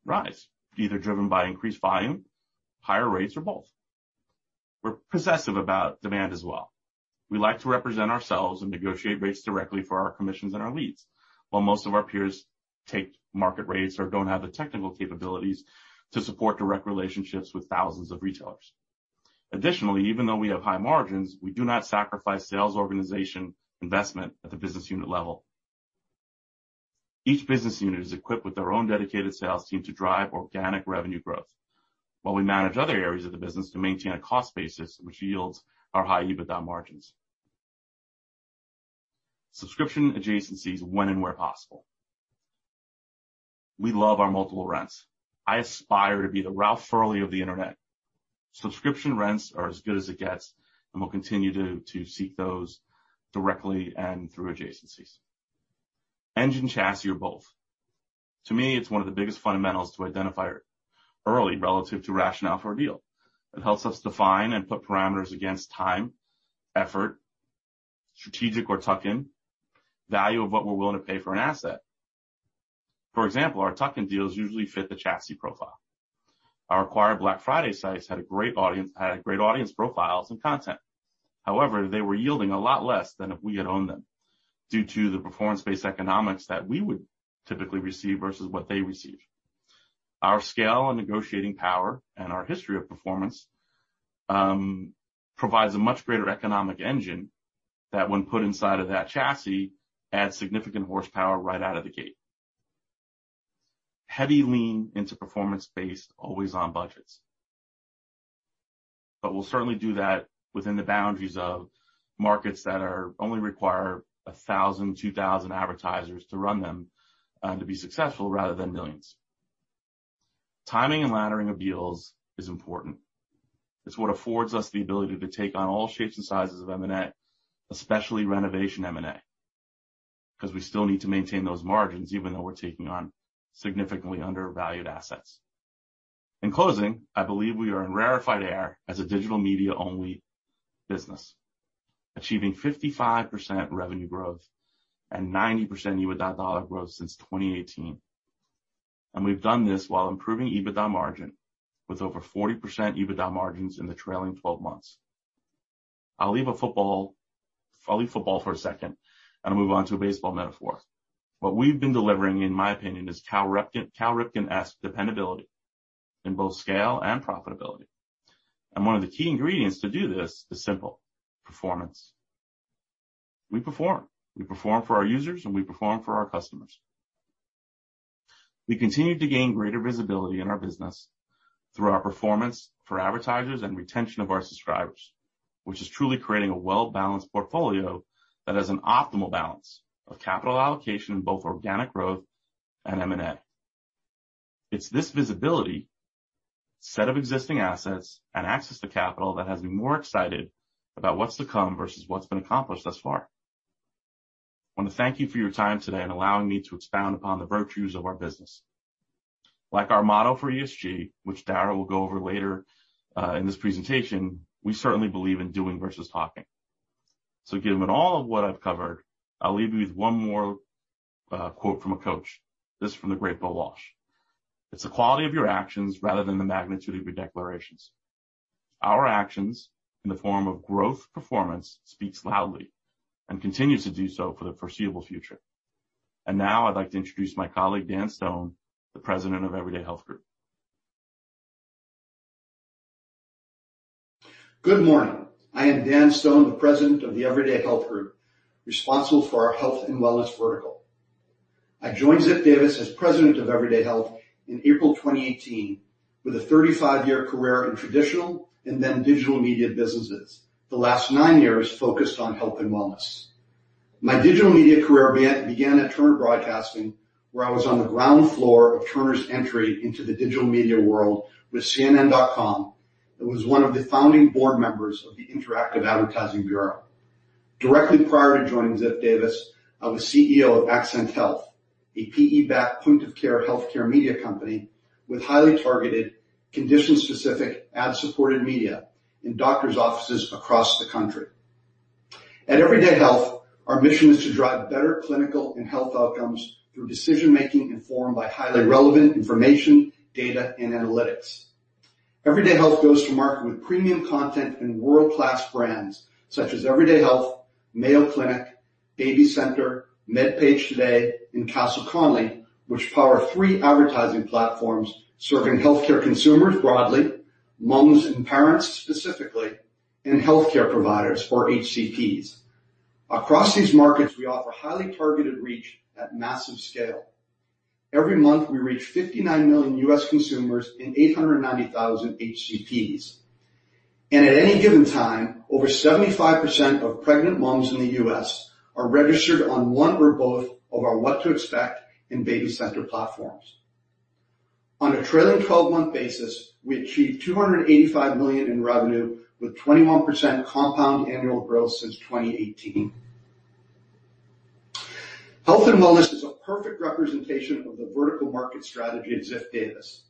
[SPEAKER 4] rise, either driven by increased volume, higher rates, or both. We're possessive about demand as well. We like to represent ourselves and negotiate rates directly for our commissions and our leads, while most of our peers take market rates or don't have the technical capabilities to support direct relationships with thousands of retailers. Additionally, even though we have high margins, we do not sacrifice sales organization investment at the business unit level. Each business unit is equipped with their own dedicated sales team to drive organic revenue growth, while we manage other areas of the business to maintain a cost basis which yields our high EBITDA margins. Subscription adjacencies when and where possible. We love our multiple rents. I aspire to be the Ralph Lauren of the internet. Subscription rents are as good as it gets. We'll continue to seek those directly and through adjacencies. Engine, chassis, or both. To me, it's one of the biggest fundamentals to identify early relative to rationale for a deal. It helps us define and put parameters against time, effort, strategic or tuck-in, value of what we're willing to pay for an asset. For example, our tuck-in deals usually fit the chassis profile. Our acquired Black Friday sites had a great audience profiles and content. However, they were yielding a lot less than if we had owned them due to the performance-based economics that we would typically receive versus what they received. Our scale and negotiating power and our history of performance provides a much greater economic engine that when put inside of that chassis, adds significant horsepower right out of the gate. Heavy lean into performance-based, always on budgets. We'll certainly do that within the boundaries of markets that only require 1,000, 2,000 advertisers to run them and to be successful rather than millions. Timing and laddering of deals is important. It's what affords us the ability to take on all shapes and sizes of M&A, especially renovation M&A, because we still need to maintain those margins even though we're taking on significantly undervalued assets. In closing, I believe we are in rarefied air as a digital media-only business, achieving 55% revenue growth and 90% EBITDA dollar growth since 2018. We've done this while improving EBITDA margin with over 40% EBITDA margins in the trailing 12 months. I'll leave football for a second and move on to a baseball metaphor. What we've been delivering, in my opinion, is Cal Ripken-esque dependability in both scale and profitability. One of the key ingredients to do this is simple, performance. We perform. We perform for our users, and we perform for our customers. We continue to gain greater visibility in our business through our performance for advertisers and retention of our subscribers, which is truly creating a well-balanced portfolio that has an optimal balance of capital allocation in both organic growth and M&A. It's this visibility, set of existing assets, and access to capital that has me more excited about what's to come versus what's been accomplished thus far. I want to thank you for your time today and allowing me to expound upon the virtues of our business. Like our motto for ESG, which Darrah will go over later in this presentation, we certainly believe in doing versus talking. Given all of what I've covered, I'll leave you with one more quote from a coach, this from the great Bill Walsh. "It's the quality of your actions rather than the magnitude of your declarations." Our actions, in the form of growth performance, speaks loudly and continues to do so for the foreseeable future. Now I'd like to introduce my colleague, Dan Stone, the President of Everyday Health Group.
[SPEAKER 5] Good morning. I am Dan Stone, the president of the Everyday Health Group, responsible for our health and wellness vertical. I joined Ziff Davis as president of Everyday Health in April 2018 with a 35-year career in traditional and then digital media businesses. The last nine years focused on health and wellness. My digital media career began at Turner Broadcasting, where I was on the ground floor of Turner's entry into the digital media world with CNN.com and was one of the founding board members of the Interactive Advertising Bureau. Directly prior to joining Ziff Davis, I was CEO of AccentHealth, a PE-backed point-of-care healthcare media company with highly targeted, condition-specific, ad-supported media in doctor's offices across the country. At Everyday Health, our mission is to drive better clinical and health outcomes through decision-making informed by highly relevant information, data, and analytics. Everyday Health goes to market with premium content and world-class brands such as Everyday Health, Mayo Clinic, BabyCenter, MedPage Today, and Castle Connolly, which power three advertising platforms serving healthcare consumers broadly, moms and parents specifically, and healthcare providers or HCPs. Across these markets, we offer highly targeted reach at massive scale. Every month, we reach 59 million U.S. consumers and 890,000 HCPs. At any given time, over 75% of pregnant moms in the U.S. are registered on one or both of our What to Expect and BabyCenter platforms. On a trailing 12-month basis, we achieved $285 million in revenue with 21% compound annual growth since 2018. Health and wellness is a perfect representation of the vertical market strategy at Ziff Davis.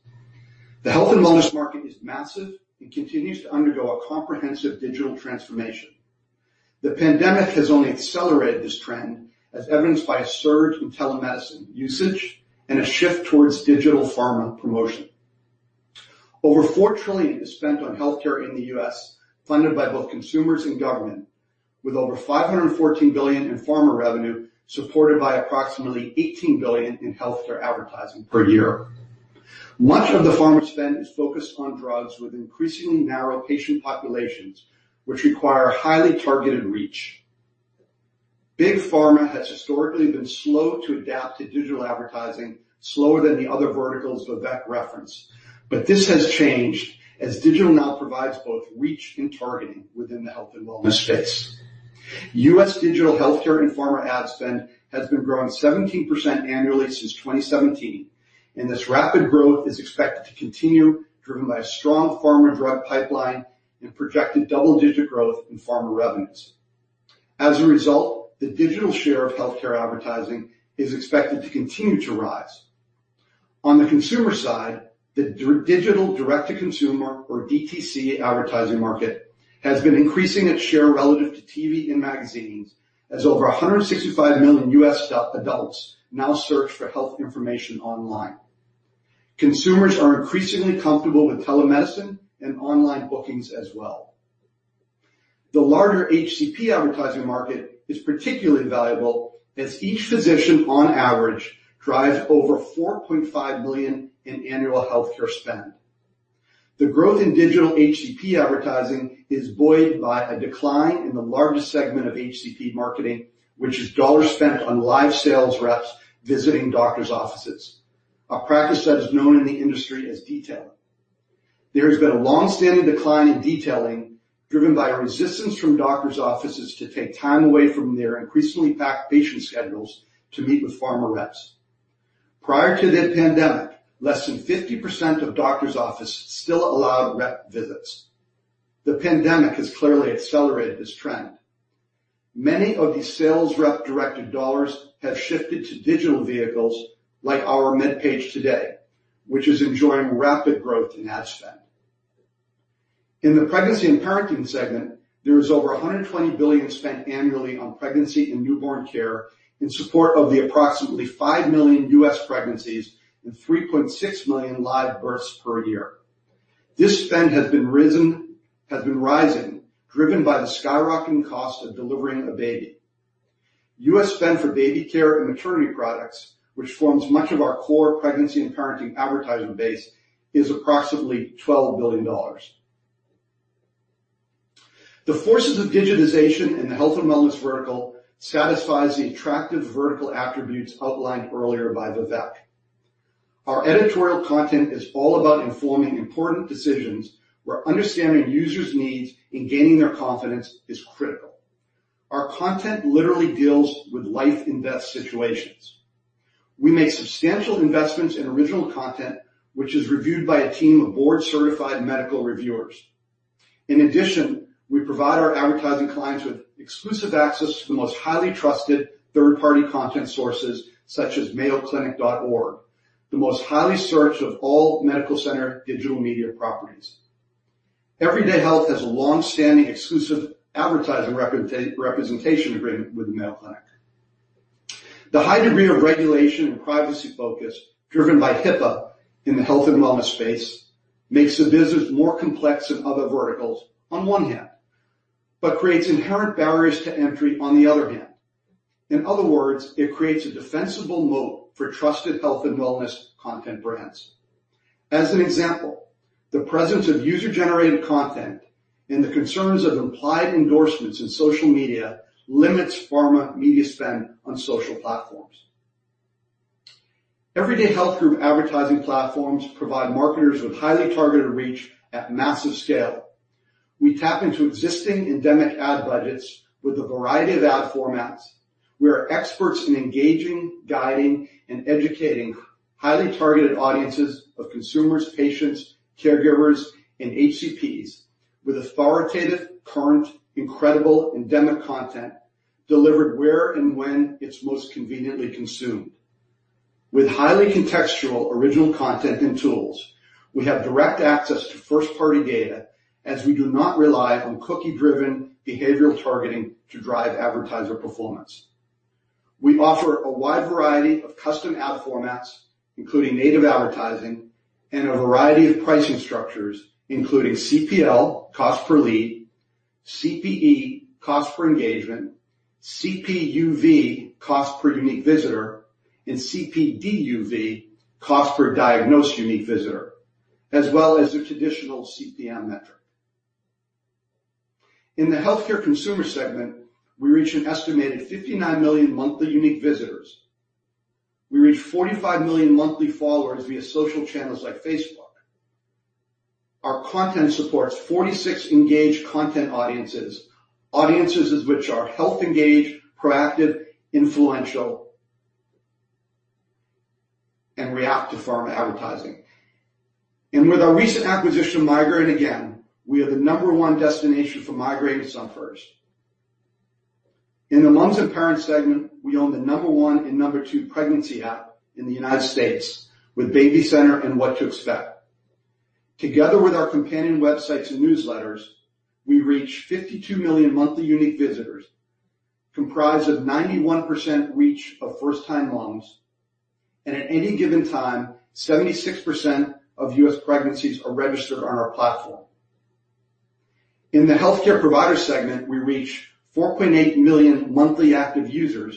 [SPEAKER 5] The health and wellness market is massive and continues to undergo a comprehensive digital transformation. The pandemic has only accelerated this trend, as evidenced by a surge in telemedicine usage and a shift towards digital pharma promotion. Over $4 trillion is spent on healthcare in the U.S., funded by both consumers and government, with over $514 billion in pharma revenue, supported by approximately $18 billion in healthcare advertising per year. Much of the pharma spend is focused on drugs with increasingly narrow patient populations, which require highly targeted reach. Big pharma has historically been slow to adapt to digital advertising, slower than the other verticals Vivek referenced, but this has changed as digital now provides both reach and targeting within the health and wellness space. U.S. digital healthcare and pharma ad spend has been growing 17% annually since 2017, and this rapid growth is expected to continue, driven by a strong pharma drug pipeline and projected double-digit growth in pharma revenues. As a result, the digital share of healthcare advertising is expected to continue to rise. On the consumer side, the digital direct-to-consumer or DTC advertising market has been increasing its share relative to TV and magazines, as over 165 million U.S. adults now search for health information online. Consumers are increasingly comfortable with telemedicine and online bookings as well. The larger HCP advertising market is particularly valuable as each physician, on average, drives over $4.5 million in annual healthcare spend. The growth in digital HCP advertising is buoyed by a decline in the largest segment of HCP marketing, which is dollars spent on live sales reps visiting doctors' offices, a practice that is known in the industry as detailing. There has been a long-standing decline in detailing, driven by a resistance from doctors' offices to take time away from their increasingly packed patient schedules to meet with pharma reps. Prior to the pandemic, less than 50% of doctors' offices still allowed rep visits. The pandemic has clearly accelerated this trend. Many of these sales rep-directed dollars have shifted to digital vehicles like our MedPage Today, which is enjoying rapid growth in ad spend. In the pregnancy and parenting segment, there is over $120 billion spent annually on pregnancy and newborn care in support of the approximately 5 million U.S. pregnancies and 3.6 million live births per year. This spend has been rising, driven by the skyrocketing cost of delivering a baby. U.S. spend for baby care and maternity products, which forms much of our core pregnancy and parenting advertisement base, is approximately $12 billion. The forces of digitization in the health and wellness vertical satisfies the attractive vertical attributes outlined earlier by Vivek. Our editorial content is all about informing important decisions where understanding users' needs and gaining their confidence is critical. Our content literally deals with life and death situations. We make substantial investments in original content, which is reviewed by a team of board-certified medical reviewers. In addition, we provide our advertising clients with exclusive access to the most highly trusted third-party content sources, such as mayoclinic.org. The most highly searched of all medical center digital media properties. Everyday Health has a long-standing exclusive advertising representation agreement with the Mayo Clinic. The high degree of regulation and privacy focus driven by HIPAA in the health and wellness space makes the business more complex than other verticals on one hand, but creates inherent barriers to entry on the other hand. In other words, it creates a defensible moat for trusted health and wellness content brands. As an example, the presence of user-generated content and the concerns of implied endorsements in social media limits pharma media spend on social platforms. Everyday Health Group advertising platforms provide marketers with highly targeted reach at massive scale. We tap into existing endemic ad budgets with a variety of ad formats. We are experts in engaging, guiding, and educating highly targeted audiences of consumers, patients, caregivers, and HCPs with authoritative, current, incredible endemic content delivered where and when it's most conveniently consumed. With highly contextual original content and tools, we have direct access to first-party data, as we do not rely on cookie-driven behavioral targeting to drive advertiser performance. We offer a wide variety of custom ad formats, including native advertising, and a variety of pricing structures, including CPL, cost per lead, CPE, cost per engagement, CPUV, cost per unique visitor, and CPDUV, cost per diagnosed unique visitor, as well as the traditional CPM metric. In the healthcare consumer segment, we reach an estimated 59 million monthly unique visitors. We reach 45 million monthly followers via social channels like Facebook. Our content supports 46 engaged content audiences. Audiences which are health-engaged, proactive, influential, and react to pharma advertising. With our recent acquisition, Migraine Again, we are the number one destination for migraine sufferers. In the moms and parents segment, we own the number one and number two pregnancy app in the U.S. with BabyCenter and What to Expect. Together with our companion websites and newsletters, we reach 52 million monthly unique visitors, comprised of 91% reach of first-time moms, at any given time, 76% of U.S. pregnancies are registered on our platform. In the healthcare provider segment, we reach 4.8 million monthly active users,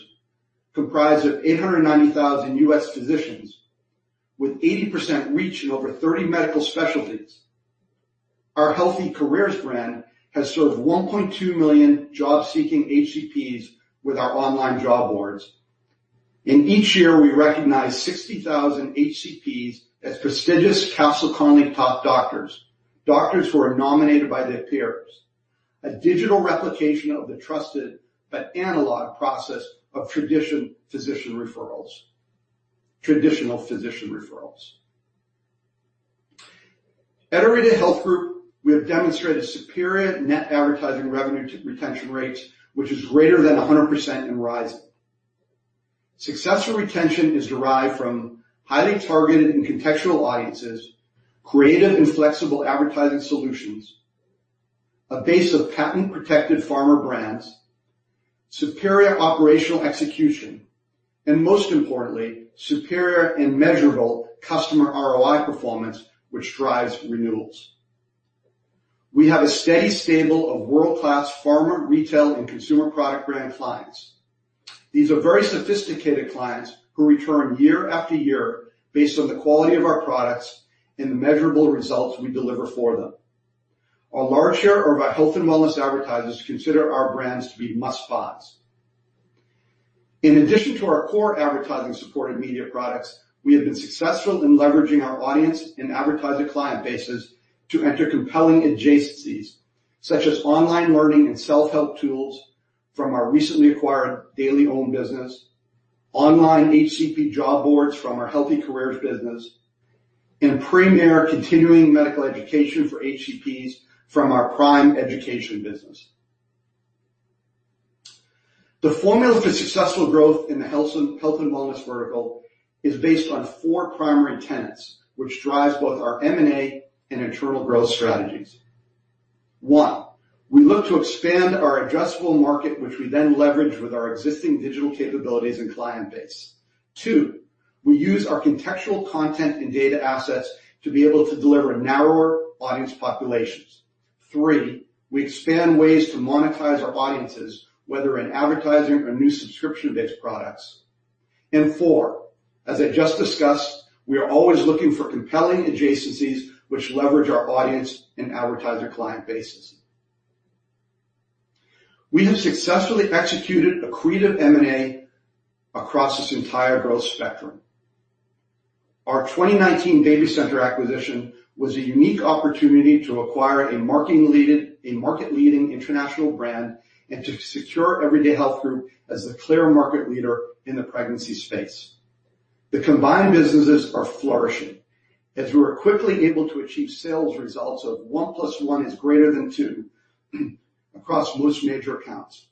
[SPEAKER 5] comprised of 890,000 U.S. physicians, with 80% reach in over 30 medical specialties. Our Health eCareers brand has served 1.2 million job-seeking HCPs with our online job boards. Each year, we recognize 60,000 HCPs as prestigious Castle Connolly top doctors. Doctors who are nominated by their peers. A digital replication of the trusted but analog process of traditional physician referrals. Traditional physician referrals. At Everyday Health Group, we have demonstrated superior net advertising revenue retention rates, which is greater than 100% and rising. Successful retention is derived from highly targeted and contextual audiences, creative and flexible advertising solutions, a base of patent-protected pharma brands, superior operational execution, and most importantly, superior and measurable customer ROI performance, which drives renewals. We have a steady stable of world-class pharma, retail, and consumer product brand clients. These are very sophisticated clients who return year after year based on the quality of our products and the measurable results we deliver for them. A large share of our health and wellness advertisers consider our brands to be must-buys. In addition to our core advertising supported media products, we have been successful in leveraging our audience and advertiser client bases to enter compelling adjacencies, such as online learning and self-help tools from our recently acquired DailyOM business, online HCP job boards from our Health eCareers business, and premier continuing medical education for HCPs from our PRIME Education business. The formula for successful growth in the health and wellness vertical is based on four primary tenets, which drives both our M&A and internal growth strategies. One, we look to expand our addressable market, which we then leverage with our existing digital capabilities and client base. Two, we use our contextual content and data assets to be able to deliver narrower audience populations. Three, we expand ways to monetize our audiences, whether in advertising or new subscription-based products. Four, as I just discussed, we are always looking for compelling adjacencies which leverage our audience and advertiser client bases. We have successfully executed accretive M&A across this entire growth spectrum. Our 2019 BabyCenter acquisition was a unique opportunity to acquire a market-leading international brand and to secure Everyday Health Group as the clear market leader in the pregnancy space. The combined businesses are flourishing as we were quickly able to achieve sales results of one plus one is greater than two across most major accounts.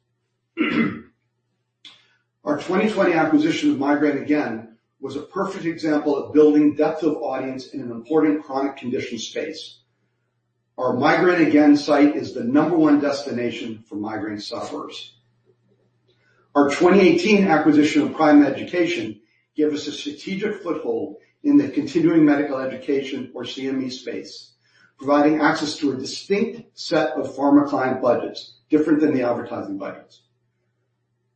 [SPEAKER 5] Our 2020 acquisition of Migraine Again was a perfect example of building depth of audience in an important chronic condition space. Our Migraine Again site is the number one destination for migraine sufferers. Our 2018 acquisition of PRIME Education gave us a strategic foothold in the continuing medical education, or CME space, providing access to a distinct set of pharma client budgets different than the advertising budgets.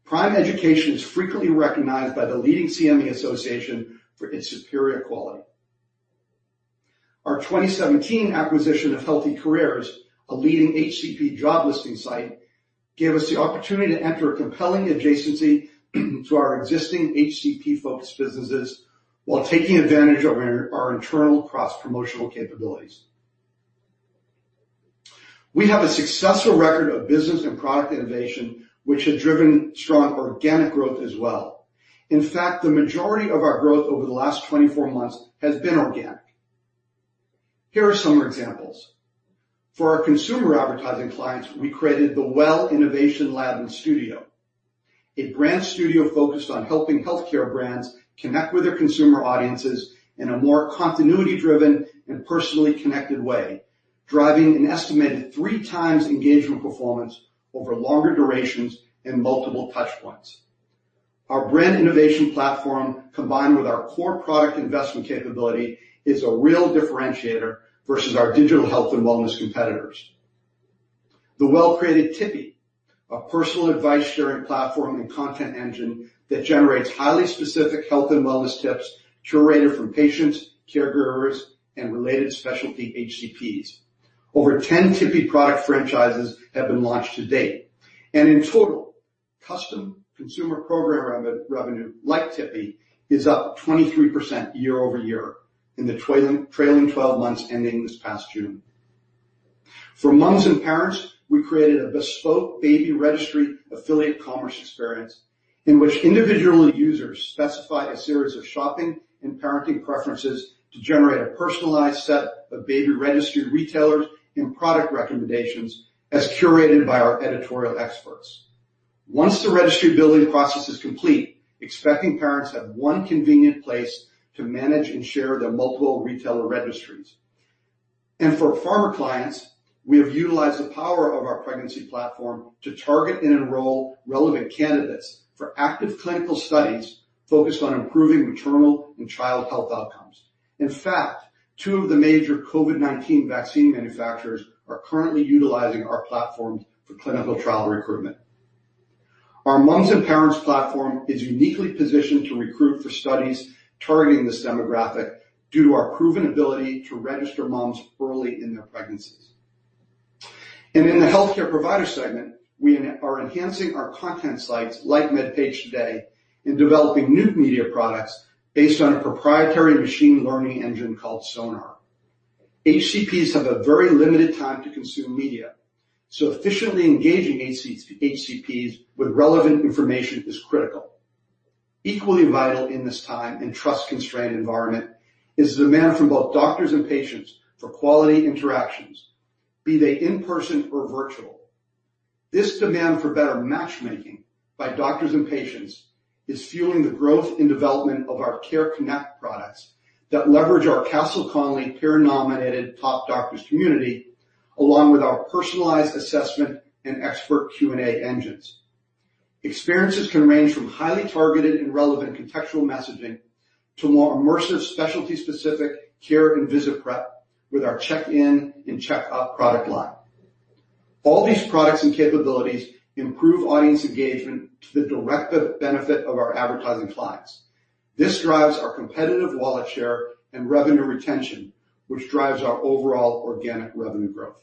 [SPEAKER 5] PRIME Education is frequently recognized by the leading CME association for its superior quality. Our 2017 acquisition of Health eCareers, a leading HCP job listing site, gave us the opportunity to enter a compelling adjacency to our existing HCP-focused businesses while taking advantage of our internal cross-promotional capabilities. We have a successful record of business and product innovation, which has driven strong organic growth as well. In fact, the majority of our growth over the last 24 months has been organic. Here are some examples. For our consumer advertising clients, we created The Well Innovation Lab and Studio, a brand studio focused on helping healthcare brands connect with their consumer audiences in a more continuity-driven and personally connected way, driving an estimated three times engagement performance over longer durations and multiple touch points. Our brand innovation platform, combined with our core product investment capability, is a real differentiator versus our digital health and wellness competitors. The Well created Tippi, a personal advice-sharing platform and content engine that generates highly specific health and wellness tips curated from patients, caregivers, and related specialty HCPs. Over 10 Tippi product franchises have been launched to date, and in total, custom consumer program revenue like Tippi is up 23% year-over-year in the trailing 12 months ending this past June. For moms and parents, we created a bespoke baby registry affiliate commerce experience in which individual users specify a series of shopping and parenting preferences to generate a personalized set of baby registry retailers and product recommendations as curated by our editorial experts. Once the registry building process is complete, expecting parents have one convenient place to manage and share their multiple retailer registries. For pharma clients, we have utilized the power of our pregnancy platform to target and enroll relevant candidates for active clinical studies focused on improving maternal and child health outcomes. In fact, two of the major COVID-19 vaccine manufacturers are currently utilizing our platforms for clinical trial recruitment. Our moms and parents platform is uniquely positioned to recruit for studies targeting this demographic due to our proven ability to register moms early in their pregnancies. In the healthcare provider segment, we are enhancing our content sites like MedPage Today and developing new media products based on a proprietary machine learning engine called Sonar. HCPs have a very limited time to consume media, efficiently engaging HCPs with relevant information is critical. Equally vital in this time and trust-constrained environment is demand from both doctors and patients for quality interactions, be they in-person or virtual. This demand for better matchmaking by doctors and patients is fueling the growth and development of our Care Connect products that leverage our Castle Connolly peer-nominated top doctors community, along with our personalized assessment and expert Q&A engines. Experiences can range from highly targeted and relevant contextual messaging to more immersive, specialty-specific care and visit prep with our Check-In and Check-Up product line. All these products and capabilities improve audience engagement to the direct benefit of our advertising clients. This drives our competitive wallet share and revenue retention, which drives our overall organic revenue growth.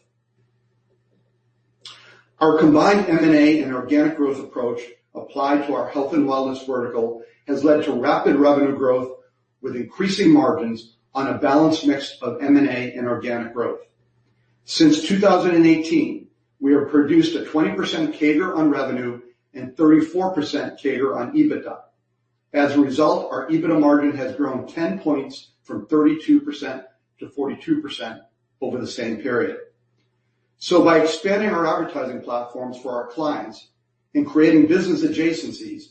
[SPEAKER 5] Our combined M&A and organic growth approach applied to our health and wellness vertical has led to rapid revenue growth with increasing margins on a balanced mix of M&A and organic growth. Since 2018, we have produced a 20% CAGR on revenue and 34% CAGR on EBITDA. As a result, our EBITDA margin has grown 10 points from 32%-42% over the same period. By expanding our advertising platforms for our clients and creating business adjacencies,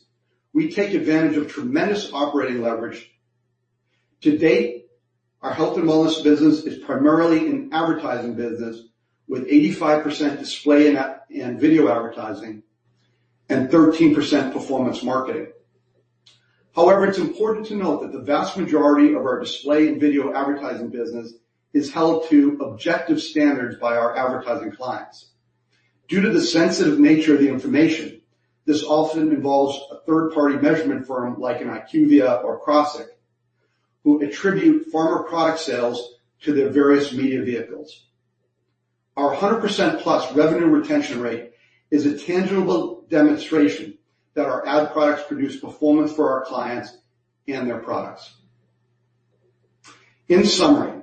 [SPEAKER 5] we take advantage of tremendous operating leverage. To date, our health and wellness business is primarily an advertising business with 85% display and video advertising and 13% performance marketing. However, it's important to note that the vast majority of our display and video advertising business is held to objective standards by our advertising clients. Due to the sensitive nature of the information, this often involves a third-party measurement firm like an IQVIA or Crossix, who attribute pharma product sales to their various media vehicles. Our 100%+ revenue retention rate is a tangible demonstration that our ad products produce performance for our clients and their products. In summary,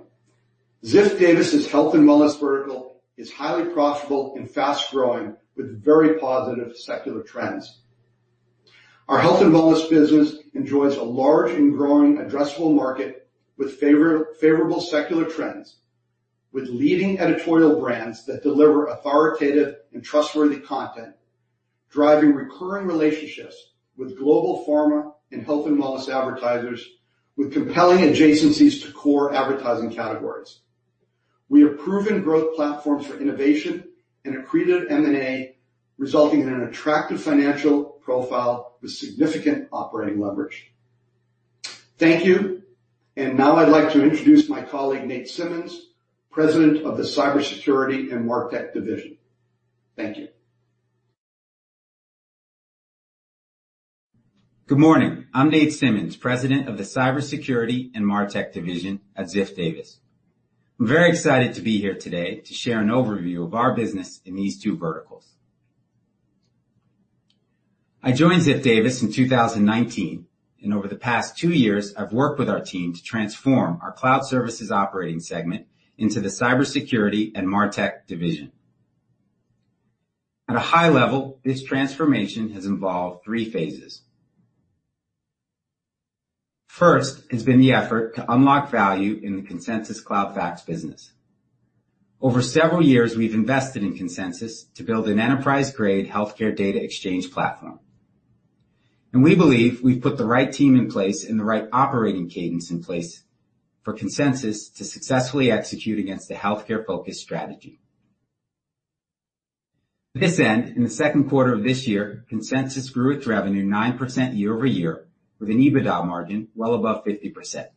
[SPEAKER 5] Ziff Davis's health and wellness vertical is highly profitable and fast-growing with very positive secular trends. Our health and wellness business enjoys a large and growing addressable market with favorable secular trends, with leading editorial brands that deliver authoritative and trustworthy content, driving recurring relationships with global pharma and health and wellness advertisers with compelling adjacencies to core advertising categories. We have proven growth platforms for innovation and accretive M&A, resulting in an attractive financial profile with significant operating leverage. Thank you. Now I'd like to introduce my colleague, Nate Simmons, President of the Cybersecurity and Martech Division. Thank you.
[SPEAKER 6] Good morning. I'm Nate Simmons, President of the Cybersecurity and Martech Division at Ziff Davis. I'm very excited to be here today to share an overview of our business in these two verticals. I joined Ziff Davis in 2019, and over the past two years, I've worked with our team to transform our cloud services operating segment into the Cybersecurity and Martech Division. At a high level, this transformation has involved three phases. First has been the effort to unlock value in the Consensus Cloud Fax business. Over several years, we've invested in Consensus to build an enterprise-grade healthcare data exchange platform. We believe we've put the right team in place and the right operating cadence in place for Consensus to successfully execute against a healthcare-focused strategy. To this end, in the second quarter of this year, Consensus grew its revenue 9% year over year with an EBITDA margin well above 50%.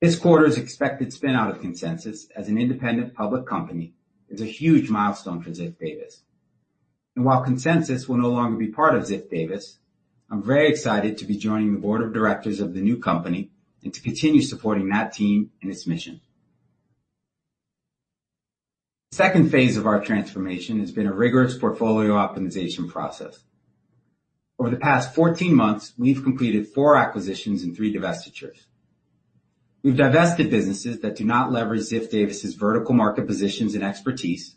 [SPEAKER 6] This quarter's expected spin out of Consensus as an independent public company is a huge milestone for Ziff Davis. While Consensus will no longer be part of Ziff Davis, I'm very excited to be joining the board of directors of the new company and to continue supporting that team and its mission. The second phase of our transformation has been a rigorous portfolio optimization process. Over the past 14 months, we've completed four acquisitions and three divestitures. We've divested businesses that do not leverage Ziff Davis' vertical market positions and expertise,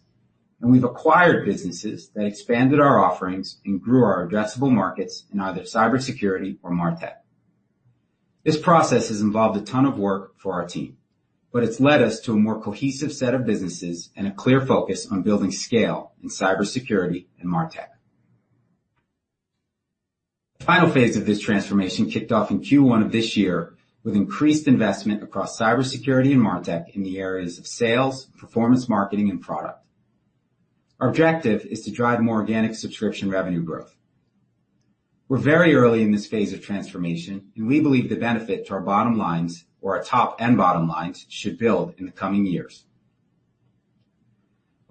[SPEAKER 6] and we've acquired businesses that expanded our offerings and grew our addressable markets in either cybersecurity or Martech. This process has involved a ton of work for our team, but it's led us to a more cohesive set of businesses and a clear focus on building scale in cybersecurity and Martech. The final phase of this transformation kicked off in Q1 of this year with increased investment across cybersecurity and Martech in the areas of sales, performance marketing, and product. Our objective is to drive more organic subscription revenue growth. We're very early in this phase of transformation, and we believe the benefit to our bottom lines or our top and bottom lines should build in the coming years.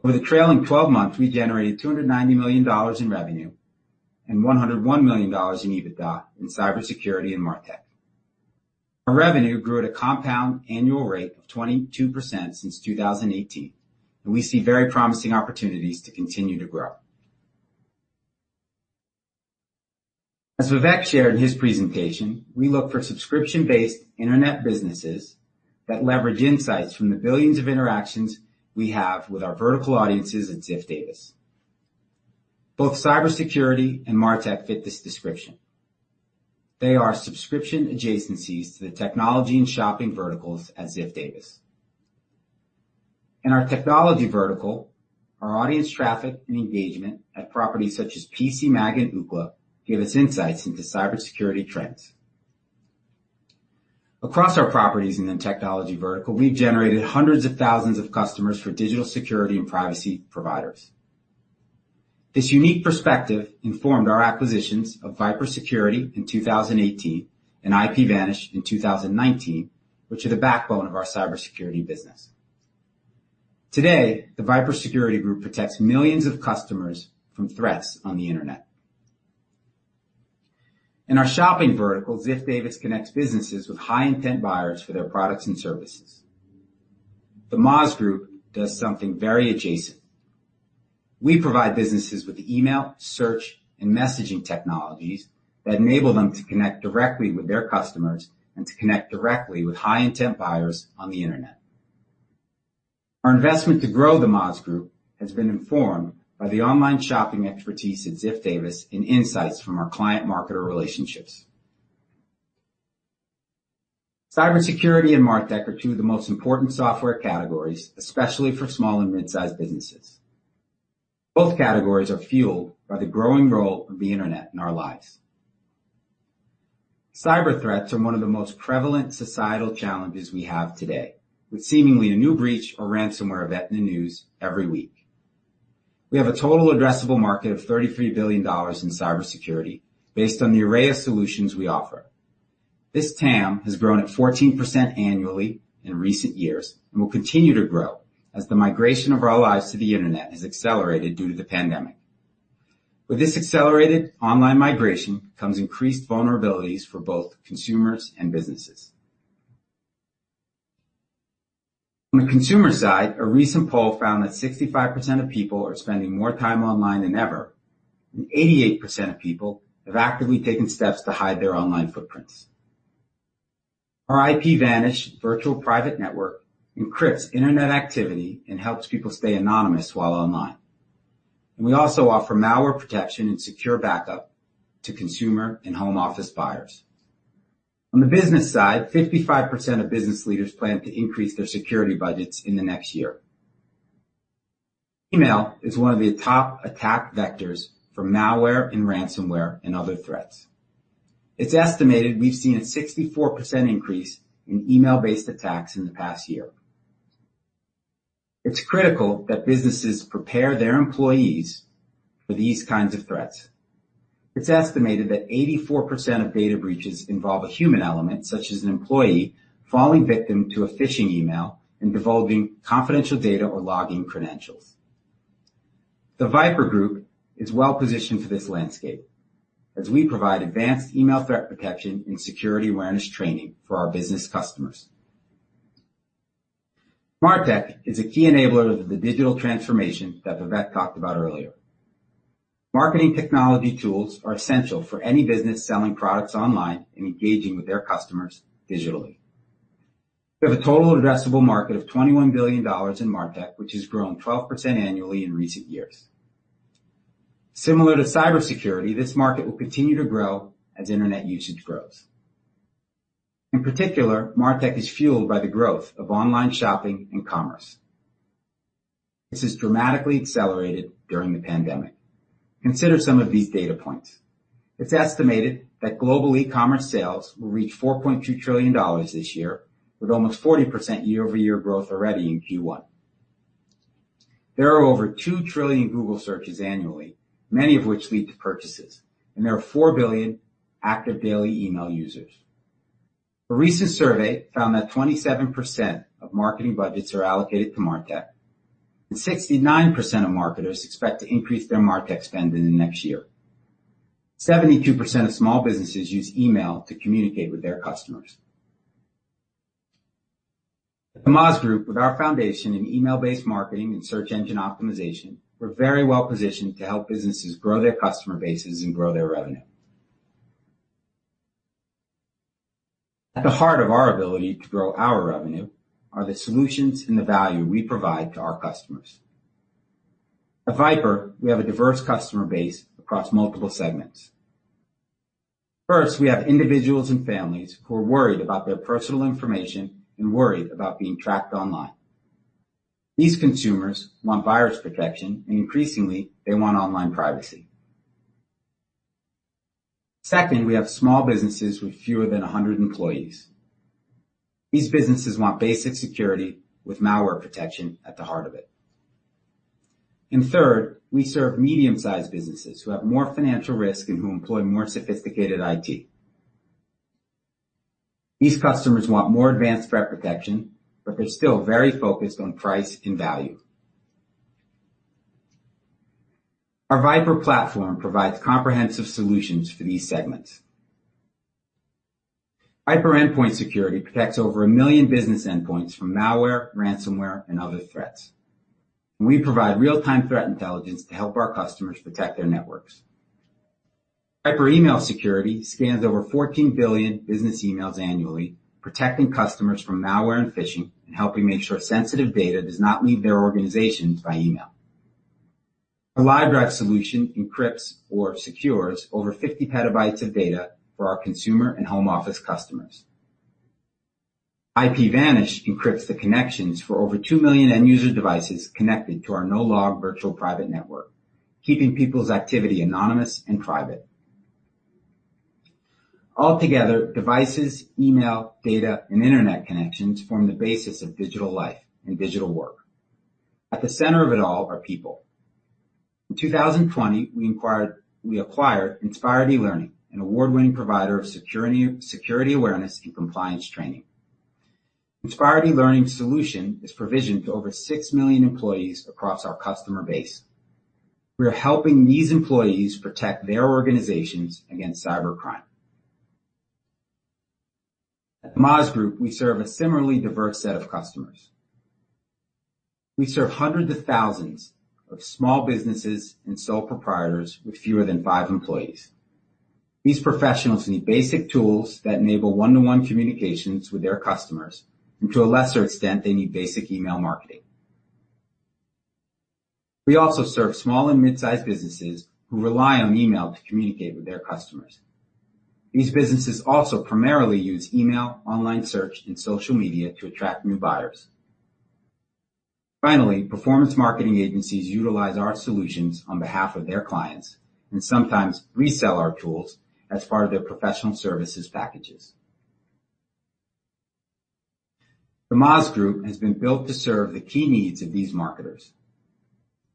[SPEAKER 6] Over the trailing 12 months, we generated $290 million in revenue and $101 million in EBITDA in cybersecurity and Martech. Our revenue grew at a compound annual rate of 22% since 2018, and we see very promising opportunities to continue to grow. As Vivek shared in his presentation, we look for subscription-based internet businesses that leverage insights from the billions of interactions we have with our vertical audiences at Ziff Davis. Both cybersecurity and Martech fit this description. They are subscription adjacencies to the technology and shopping verticals at Ziff Davis. In our technology vertical, our audience traffic and engagement at properties such as PCMag and Ookla give us insights into cybersecurity trends. Across our properties in the technology vertical, we've generated hundreds of thousands of customers for digital security and privacy providers. This unique perspective informed our acquisitions of VIPRE Security in 2018 and IPVanish in 2019, which are the backbone of our cybersecurity business. Today, the VIPRE Security Group protects millions of customers from threats on the internet. In our shopping vertical, Ziff Davis connects businesses with high-intent buyers for their products and services. The Moz Group does something very adjacent. We provide businesses with email, search, and messaging technologies that enable them to connect directly with their customers and to connect directly with high-intent buyers on the internet. Our investment to grow the Moz Group has been informed by the online shopping expertise at Ziff Davis and insights from our client marketer relationships. Cybersecurity and Martech are two of the most important software categories, especially for small and mid-sized businesses. Both categories are fueled by the growing role of the internet in our lives. Cyber threats are one of the most prevalent societal challenges we have today, with seemingly a new breach or ransomware event in the news every week. We have a total addressable market of $33 billion in cybersecurity based on the array of solutions we offer. This TAM has grown at 14% annually in recent years and will continue to grow as the migration of our lives to the internet is accelerated due to the pandemic. With this accelerated online migration comes increased vulnerabilities for both consumers and businesses. On the consumer side, a recent poll found that 65% of people are spending more time online than ever, and 88% of people have actively taken steps to hide their online footprints. Our IPVanish virtual private network encrypts internet activity and helps people stay anonymous while online. We also offer malware protection and secure backup to consumer and home office buyers. On the business side, 55% of business leaders plan to increase their security budgets in the next year. Email is one of the top attack vectors for malware and ransomware and other threats. It's estimated we've seen a 64% increase in email-based attacks in the past year. It's critical that businesses prepare their employees for these kinds of threats. It's estimated that 84% of data breaches involve a human element, such as an employee falling victim to a phishing email and divulging confidential data or login credentials. The VIPRE Security Group is well-positioned for this landscape as we provide advanced email threat protection and security awareness training for our business customers. Martech is a key enabler of the digital transformation that Vivek talked about earlier. Marketing technology tools are essential for any business selling products online and engaging with their customers digitally. We have a total addressable market of $21 billion in Martech, which is growing 12% annually in recent years. Similar to cybersecurity, this market will continue to grow as internet usage grows. In particular, Martech is fueled by the growth of online shopping and commerce. This has dramatically accelerated during the pandemic. Consider some of these data points. It's estimated that global e-commerce sales will reach $4.2 trillion this year with almost 40% year-over-year growth already in Q1. There are over 2 trillion Google searches annually, many of which lead to purchases, and there are 4 billion active daily email users. A recent survey found that 27% of marketing budgets are allocated to Martech, and 69% of marketers expect to increase their Martech spend in the next year. 72% of small businesses use email to communicate with their customers. At Moz Group, with our foundation in email-based marketing and search engine optimization, we're very well-positioned to help businesses grow their customer bases and grow their revenue. At the heart of our ability to grow our revenue are the solutions and the value we provide to our customers. At VIPRE, we have a diverse customer base across multiple segments. First, we have individuals and families who are worried about their personal information and worried about being tracked online. These consumers want virus protection, and increasingly, they want online privacy. Second, we have small businesses with fewer than 100 employees. These businesses want basic security with malware protection at the heart of it. Third, we serve medium-sized businesses who have more financial risk and who employ more sophisticated IT. These customers want more advanced threat protection, but they're still very focused on price and value. Our VIPRE platform provides comprehensive solutions for these segments. VIPRE Endpoint Security protects over 1 million business endpoints from malware, ransomware, and other threats. We provide real-time threat intelligence to help our customers protect their networks. VIPRE Email Security scans over 14 billion business emails annually, protecting customers from malware and phishing and helping make sure sensitive data does not leave their organizations by email. Our Livedrive solution encrypts or secures over 50 petabytes of data for our consumer and home office customers. IPVanish encrypts the connections for over 2 million end-user devices connected to our no-log virtual private network, keeping people's activity anonymous and private. Altogether, devices, email, data, and internet connections form the basis of digital life and digital work. At the center of it all are people. In 2020, we acquired Inspired eLearning, an award-winning provider of security awareness and compliance training. Inspired eLearning solution is provisioned to over 6 million employees across our customer base. We are helping these employees protect their organizations against cybercrime. At The Moz Group, we serve a similarly diverse set of customers. We serve hundreds of thousands of small businesses and sole proprietors with fewer than five employees. These professionals need basic tools that enable one-to-one communications with their customers, and to a lesser extent, they need basic email marketing. We also serve small and mid-sized businesses who rely on email to communicate with their customers. These businesses also primarily use email, online search, and social media to attract new buyers. Finally, performance marketing agencies utilize our solutions on behalf of their clients and sometimes resell our tools as part of their professional services packages. The Moz Group has been built to serve the key needs of these marketers.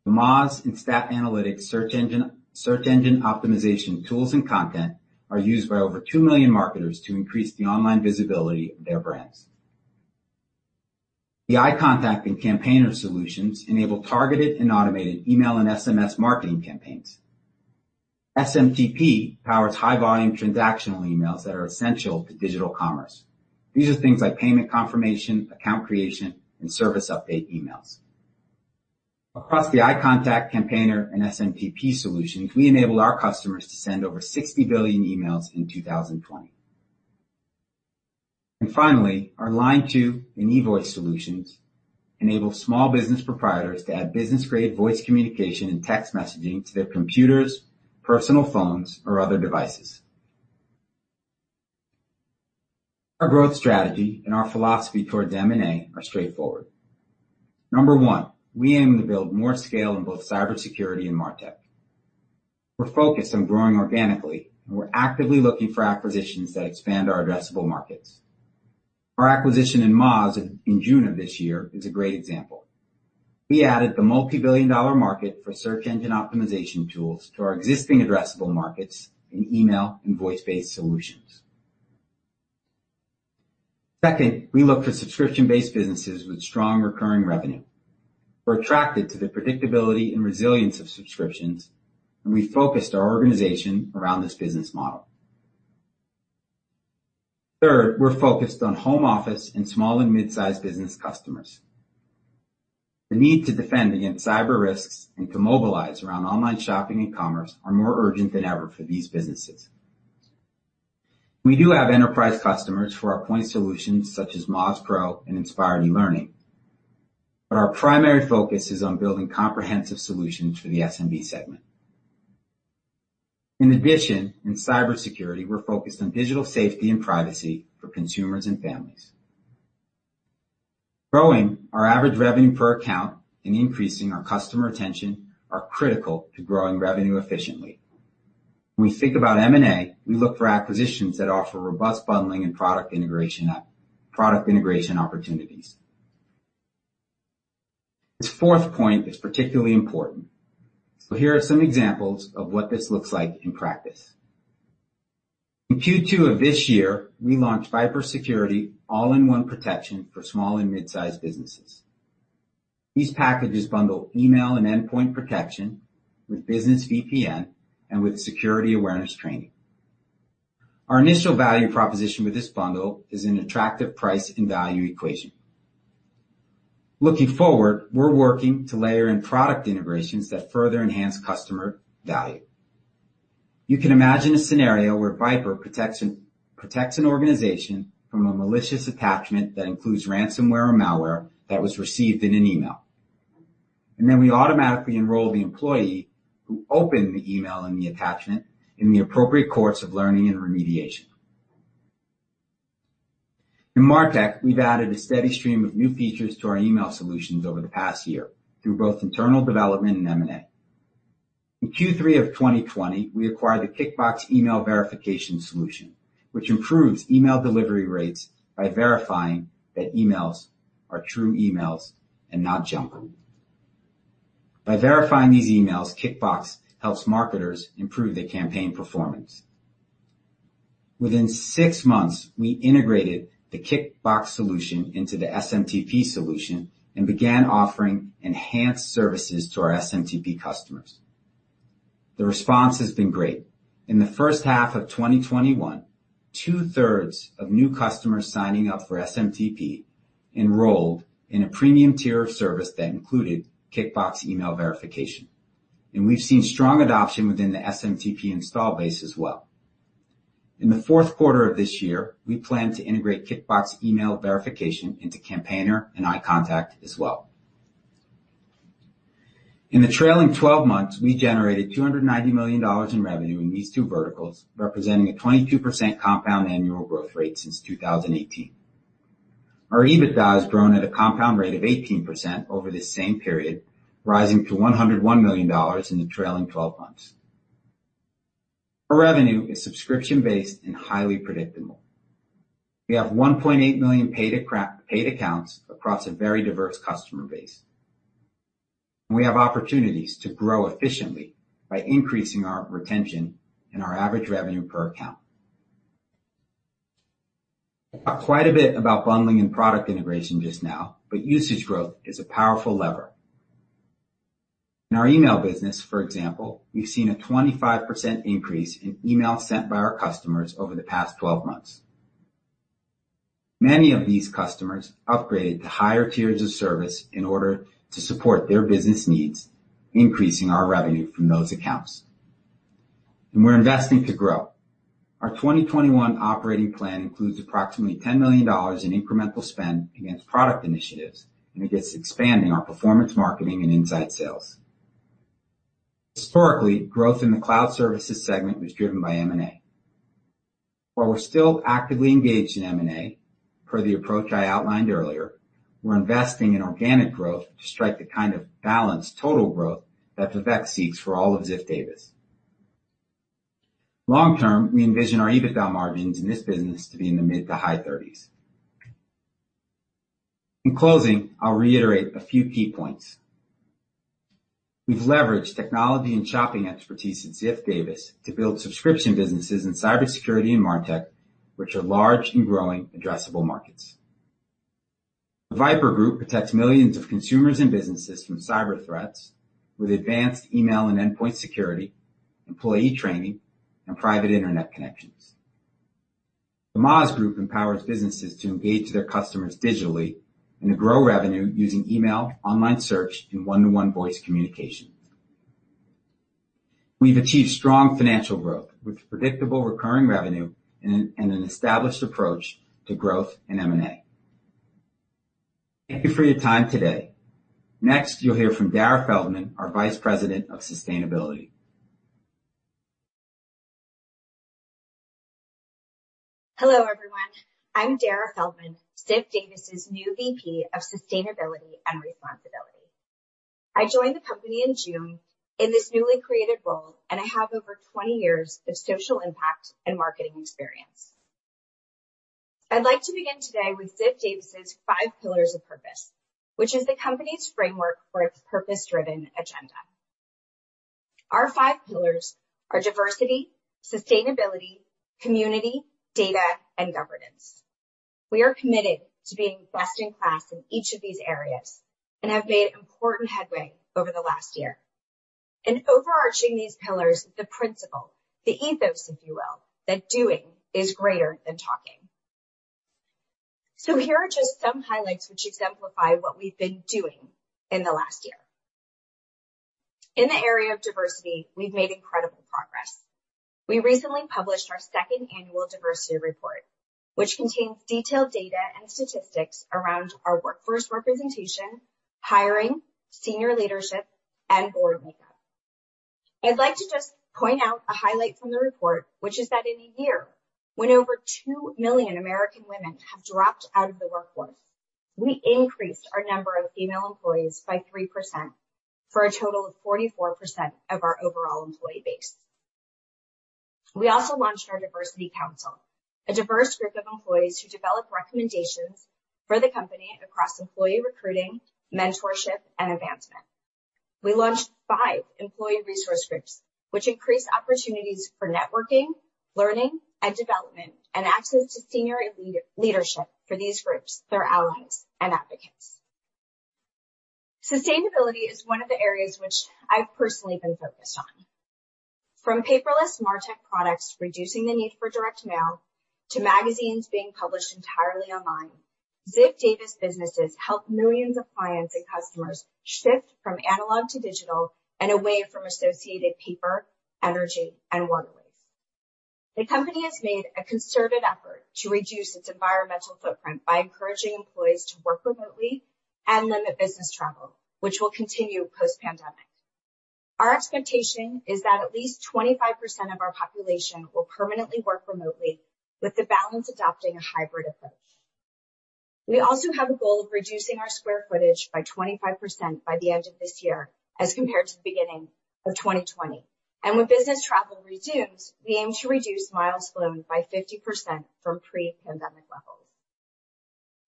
[SPEAKER 6] The Moz and STAT Search Analytics search engine optimization tools and content are used by over 2 million marketers to increase the online visibility of their brands. The iContact and Campaigner solutions enable targeted and automated email and SMS marketing campaigns. SMTP powers high-volume transactional emails that are essential to digital commerce. These are things like payment confirmation, account creation, and service update emails. Across the iContact, Campaigner, and SMTP solutions, we enabled our customers to send over 60 billion emails in 2020. Finally, our Line2 and eVoice solutions enable small business proprietors to add business-grade voice communication and text messaging to their computers, personal phones, or other devices. Our growth strategy and our philosophy towards M&A are straightforward. Number one, we aim to build more scale in both cybersecurity and Martech. We're focused on growing organically, and we're actively looking for acquisitions that expand our addressable markets. Our acquisition in Moz in June of this year is a great example. We added the multi-billion-dollar market for search engine optimization tools to our existing addressable markets in email and voice-based solutions. Second, we look for subscription-based businesses with strong recurring revenue. We're attracted to the predictability and resilience of subscriptions. We focused our organization around this business model. Third, we're focused on home office and small and mid-sized business customers. The need to defend against cyber risks and to mobilize around online shopping and commerce are more urgent than ever for these businesses. We do have enterprise customers for our point solutions such as Moz Pro and Inspired eLearning. Our primary focus is on building comprehensive solutions for the SMB segment. In addition, in cybersecurity, we're focused on digital safety and privacy for consumers and families. Growing our average revenue per account and increasing our customer retention are critical to growing revenue efficiently. When we think about M&A, we look for acquisitions that offer robust bundling and product integration opportunities. This fourth point is particularly important. Here are some examples of what this looks like in practice. In Q2 of this year, we launched VIPRE Security, all-in-one protection for small and mid-sized businesses. These packages bundle email and endpoint protection with business VPN and with security awareness training. Our initial value proposition with this bundle is an attractive price and value equation. Looking forward, we're working to layer in product integrations that further enhance customer value. You can imagine a scenario where VIPRE protects an organization from a malicious attachment that includes ransomware or malware that was received in an email. Then we automatically enroll the employee who opened the email and the attachment in the appropriate course of learning and remediation. In Martech, we've added a steady stream of new features to our email solutions over the past year through both internal development and M&A. In Q3 of 2020, we acquired the Kickbox email verification solution, which improves email delivery rates by verifying that emails are true emails and not junk. By verifying these emails, Kickbox helps marketers improve their campaign performance. Within six months, we integrated the Kickbox solution into the SMTP solution and began offering enhanced services to our SMTP customers. The response has been great. In the first half of 2021, 2/3 of new customers signing up for SMTP enrolled in a premium tier of service that included Kickbox email verification. We've seen strong adoption within the SMTP install base as well. In the fourth quarter of this year, we plan to integrate Kickbox email verification into Campaigner and iContact as well. In the trailing 12 months, we generated $290 million in revenue in these two verticals, representing a 22% compound annual growth rate since 2018. Our EBITDA has grown at a compound rate of 18% over the same period, rising to $101 million in the trailing 12 months. Our revenue is subscription-based and highly predictable. We have 1.8 million paid accounts across a very diverse customer base. We have opportunities to grow efficiently by increasing our retention and our average revenue per account. I talked quite a bit about bundling and product integration just now, but usage growth is a powerful lever. In our email business, for example, we've seen a 25% increase in emails sent by our customers over the past 12 months. Many of these customers upgraded to higher tiers of service in order to support their business needs, increasing our revenue from those accounts. We're investing to grow. Our 2021 operating plan includes approximately $10 million in incremental spend against product initiatives, and against expanding our performance marketing and inside sales. Historically, growth in the cloud services segment was driven by M&A. While we're still actively engaged in M&A, per the approach I outlined earlier, we're investing in organic growth to strike the kind of balanced total growth that Vivek seeks for all of Ziff Davis. Long term, we envision our EBITDA margins in this business to be in the mid to high 30s. In closing, I'll reiterate a few key points. We've leveraged technology and shopping expertise in Ziff Davis to build subscription businesses in cybersecurity and Martech, which are large and growing addressable markets. The VIPRE group protects millions of consumers and businesses from cyber threats with advanced email and endpoint security, employee training, and private internet connections. The Moz group empowers businesses to engage their customers digitally and to grow revenue using email, online search, and one-to-one voice communication. We've achieved strong financial growth with predictable recurring revenue and an established approach to growth and M&A. Thank you for your time today. Next, you'll hear from Darrah Feldman, our Vice President of Sustainability.
[SPEAKER 7] Hello, everyone. I'm Darrah Feldman, Ziff Davis's new VP of Sustainability and Responsibility. I joined the company in June in this newly created role, and I have over 20 years of social impact and marketing experience. I'd like to begin today with Ziff Davis' Five Pillars of Purpose, which is the company's framework for its purpose-driven agenda. Our five pillars are Diversity, Sustainability, Community, Data, and Governance. We are committed to being best in class in each of these areas and have made important headway over the last year. Overarching these pillars, the principle, the ethos, if you will, that doing is greater than talking. Here are just some highlights which exemplify what we've been doing in the last year. In the area of Diversity, we've made incredible progress. We recently published our second annual diversity report, which contains detailed data and statistics around our workforce representation, hiring, senior leadership, and board makeup. I'd like to just point out a highlight from the report, which is that in a year when over 2 million American women have dropped out of the workforce, we increased our number of female employees by 3% for a total of 44% of our overall employee base. We also launched our diversity council, a diverse group of employees who develop recommendations for the company across employee recruiting, mentorship, and advancement. We launched five employee resource groups which increase opportunities for networking, learning, and development, and access to senior leadership for these groups, their allies and advocates. Sustainability is one of the areas which I've personally been focused on. From paperless Martech products reducing the need for direct mail to magazines being published entirely online, Ziff Davis businesses help millions of clients and customers shift from analog to digital and away from associated paper, energy, and work waste. The company has made a concerted effort to reduce its environmental footprint by encouraging employees to work remotely and limit business travel, which will continue post-pandemic. Our expectation is that at least 25% of our population will permanently work remotely, with the balance adopting a hybrid approach. We also have a goal of reducing our square footage by 25% by the end of this year as compared to the beginning of 2020. When business travel resumes, we aim to reduce miles flown by 50% from pre-pandemic levels.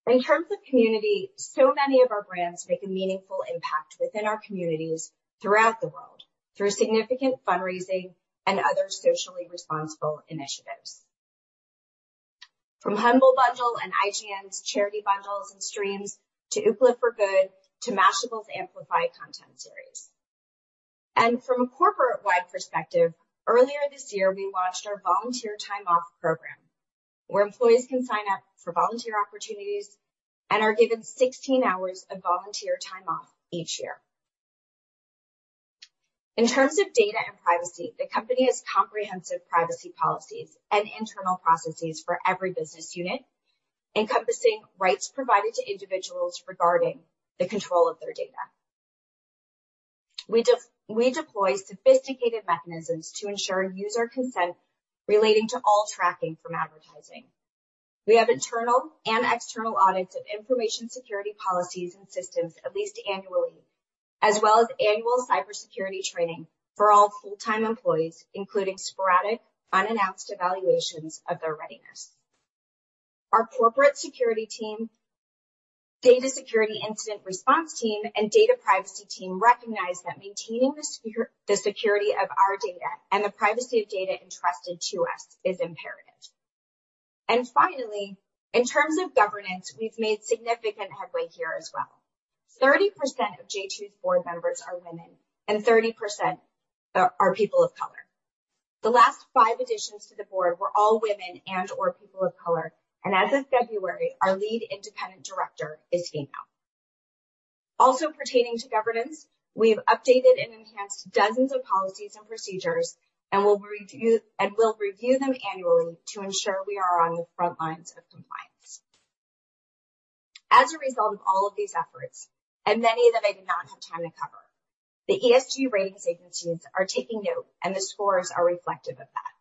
[SPEAKER 7] In terms of community, so many of our brands make a meaningful impact within our communities throughout the world through significant fundraising and other socially responsible initiatives. From Humble Bundle and IGN's charity bundles and streams to Ookla for Good to Mashable's Amplify content series. From a corporate-wide perspective, earlier this year, we launched our volunteer time off program, where employees can sign up for volunteer opportunities and are given 16 hours of volunteer time off each year. In terms of data and privacy, the company has comprehensive privacy policies and internal processes for every business unit, encompassing rights provided to individuals regarding the control of their data. We deploy sophisticated mechanisms to ensure user consent relating to all tracking from advertising. We have internal and external audits of information security policies and systems at least annually, as well as annual cybersecurity training for all full-time employees, including sporadic, unannounced evaluations of their readiness. Our corporate security team, data security incident response team, and data privacy team recognize that maintaining the security of our data and the privacy of data entrusted to us is imperative. Finally, in terms of governance, we've made significant headway here as well. 30% of J2's board members are women and 30% are people of color. The last five additions to the board were all women and/or people of color. As of February, our lead independent director is female. Also pertaining to governance, we have updated and enhanced dozens of policies and procedures and will review them annually to ensure we are on the front lines of compliance. As a result of all of these efforts, and many that I did not have time to cover, the ESG ratings agencies are taking note, and the scores are reflective of that.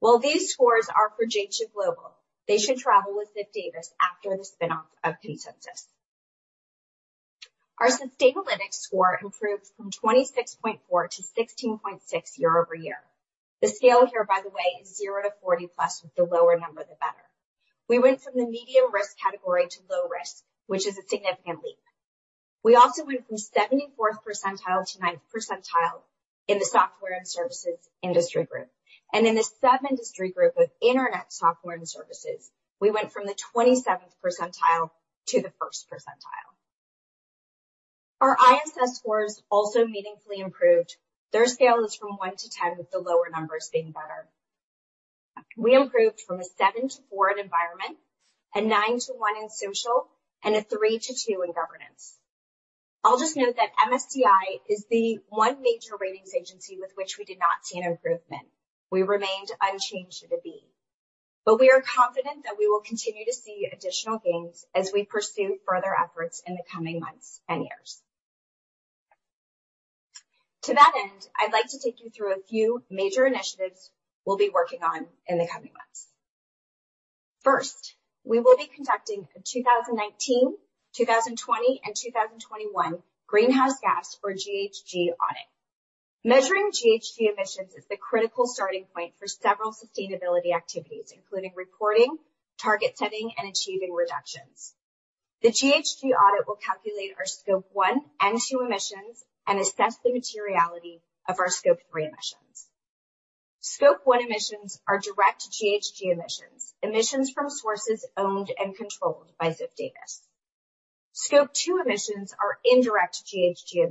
[SPEAKER 7] While these scores are for J2 Global, they should travel with Ziff Davis after the spinoff of Consensus. Our Sustainalytics score improved from 26.4 to 16.6 year-over-year. The scale here, by the way, is zero to 40+, with the lower number the better. We went from the medium risk category to low risk, which is a significant leap. We also went from 74th percentile to ninth percentile in the software and services industry group. In the sub-industry group of internet software and services, we went from the 27th percentile to the first percentile. Our ISS scores also meaningfully improved. Their scale is from 1-10, with the lower numbers being better. We improved from a 7-4 in environment, a nine to one in social, and three to two in governance. I'll just note that MSCI is the one major ratings agency with which we did not see an improvement. We remained unchanged at a B. We are confident that we will continue to see additional gains as we pursue further efforts in the coming months and years. To that end, I'd like to take you through a few major initiatives we'll be working on in the coming months. First, we will be conducting a 2019, 2020, and 2021 greenhouse gas or GHG audit. Measuring GHG emissions is the critical starting point for several sustainability activities, including reporting, target setting, and achieving reductions. The GHG audit will calculate our Scope 1 and 2 emissions and assess the materiality of our Scope 3 emissions. Scope 1 emissions are direct GHG emissions from sources owned and controlled by Ziff Davis. Scope 2 emissions are indirect GHG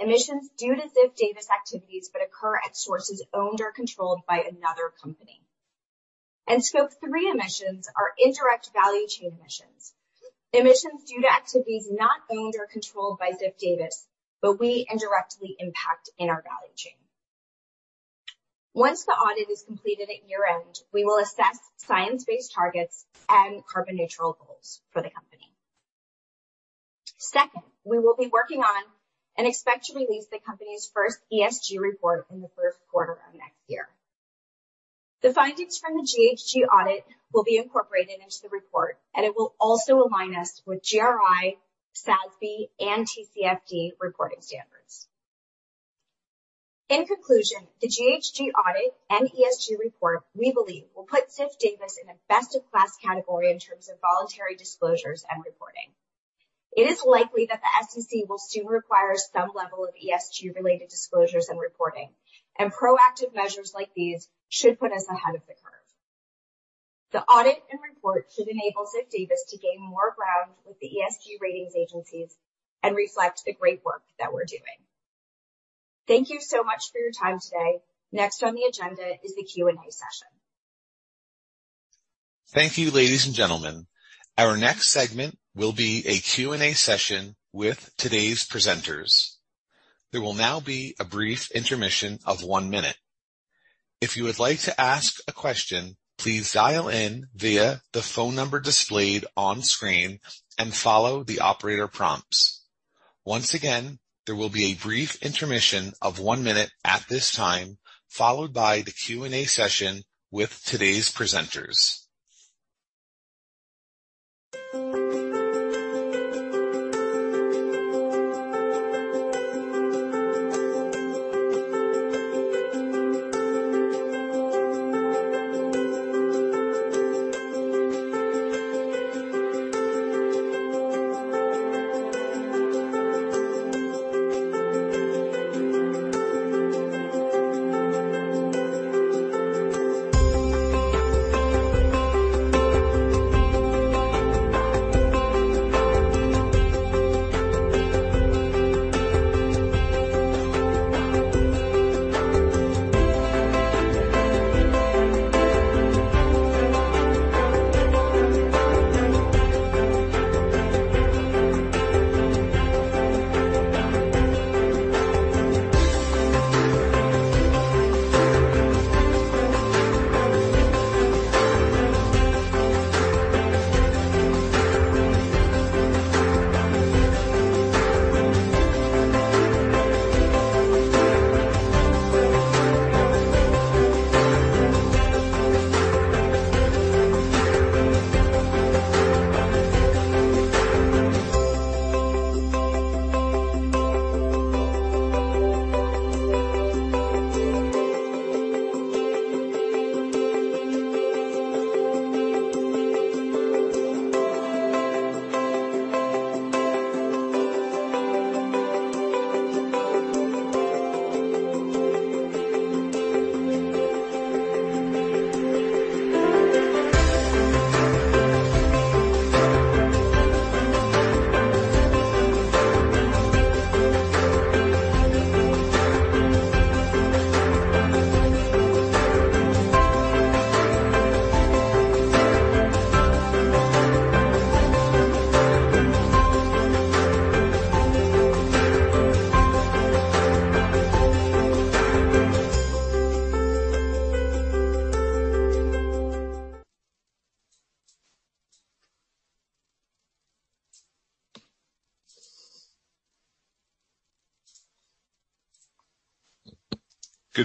[SPEAKER 7] emissions due to Ziff Davis activities that occur at sources owned or controlled by another company. Scope 3 emissions are indirect value chain emissions due to activities not owned or controlled by Ziff Davis, but we indirectly impact in our value chain. Once the audit is completed at year-end, we will assess science-based targets and carbon neutral goals for the company. Second, we will be working on and expect to release the company's first ESG report in the first quarter of next year. The findings from the GHG audit will be incorporated into the report, and it will also align us with GRI, SASB, and TCFD reporting standards. In conclusion, the GHG audit and ESG report, we believe, will put Ziff Davis in a best-in-class category in terms of voluntary disclosures and reporting. It is likely that the SEC will soon require some level of ESG-related disclosures and reporting, and proactive measures like these should put us ahead of the curve. The audit and report should enable Ziff Davis to gain more ground with the ESG ratings agencies and reflect the great work that we're doing. Thank you so much for your time today. Next on the agenda is the Q&A session.
[SPEAKER 1] Thank you, ladies and gentlemen. Our next segment will be a Q&A session with today's presenters. There will now be a brief intermission of one minute. If you would like to ask a question, please dial in via the phone number displayed on screen and follow the operator prompts. Once again, there will be a brief intermission of one minute at this time, followed by the Q&A session with today's presenters. Good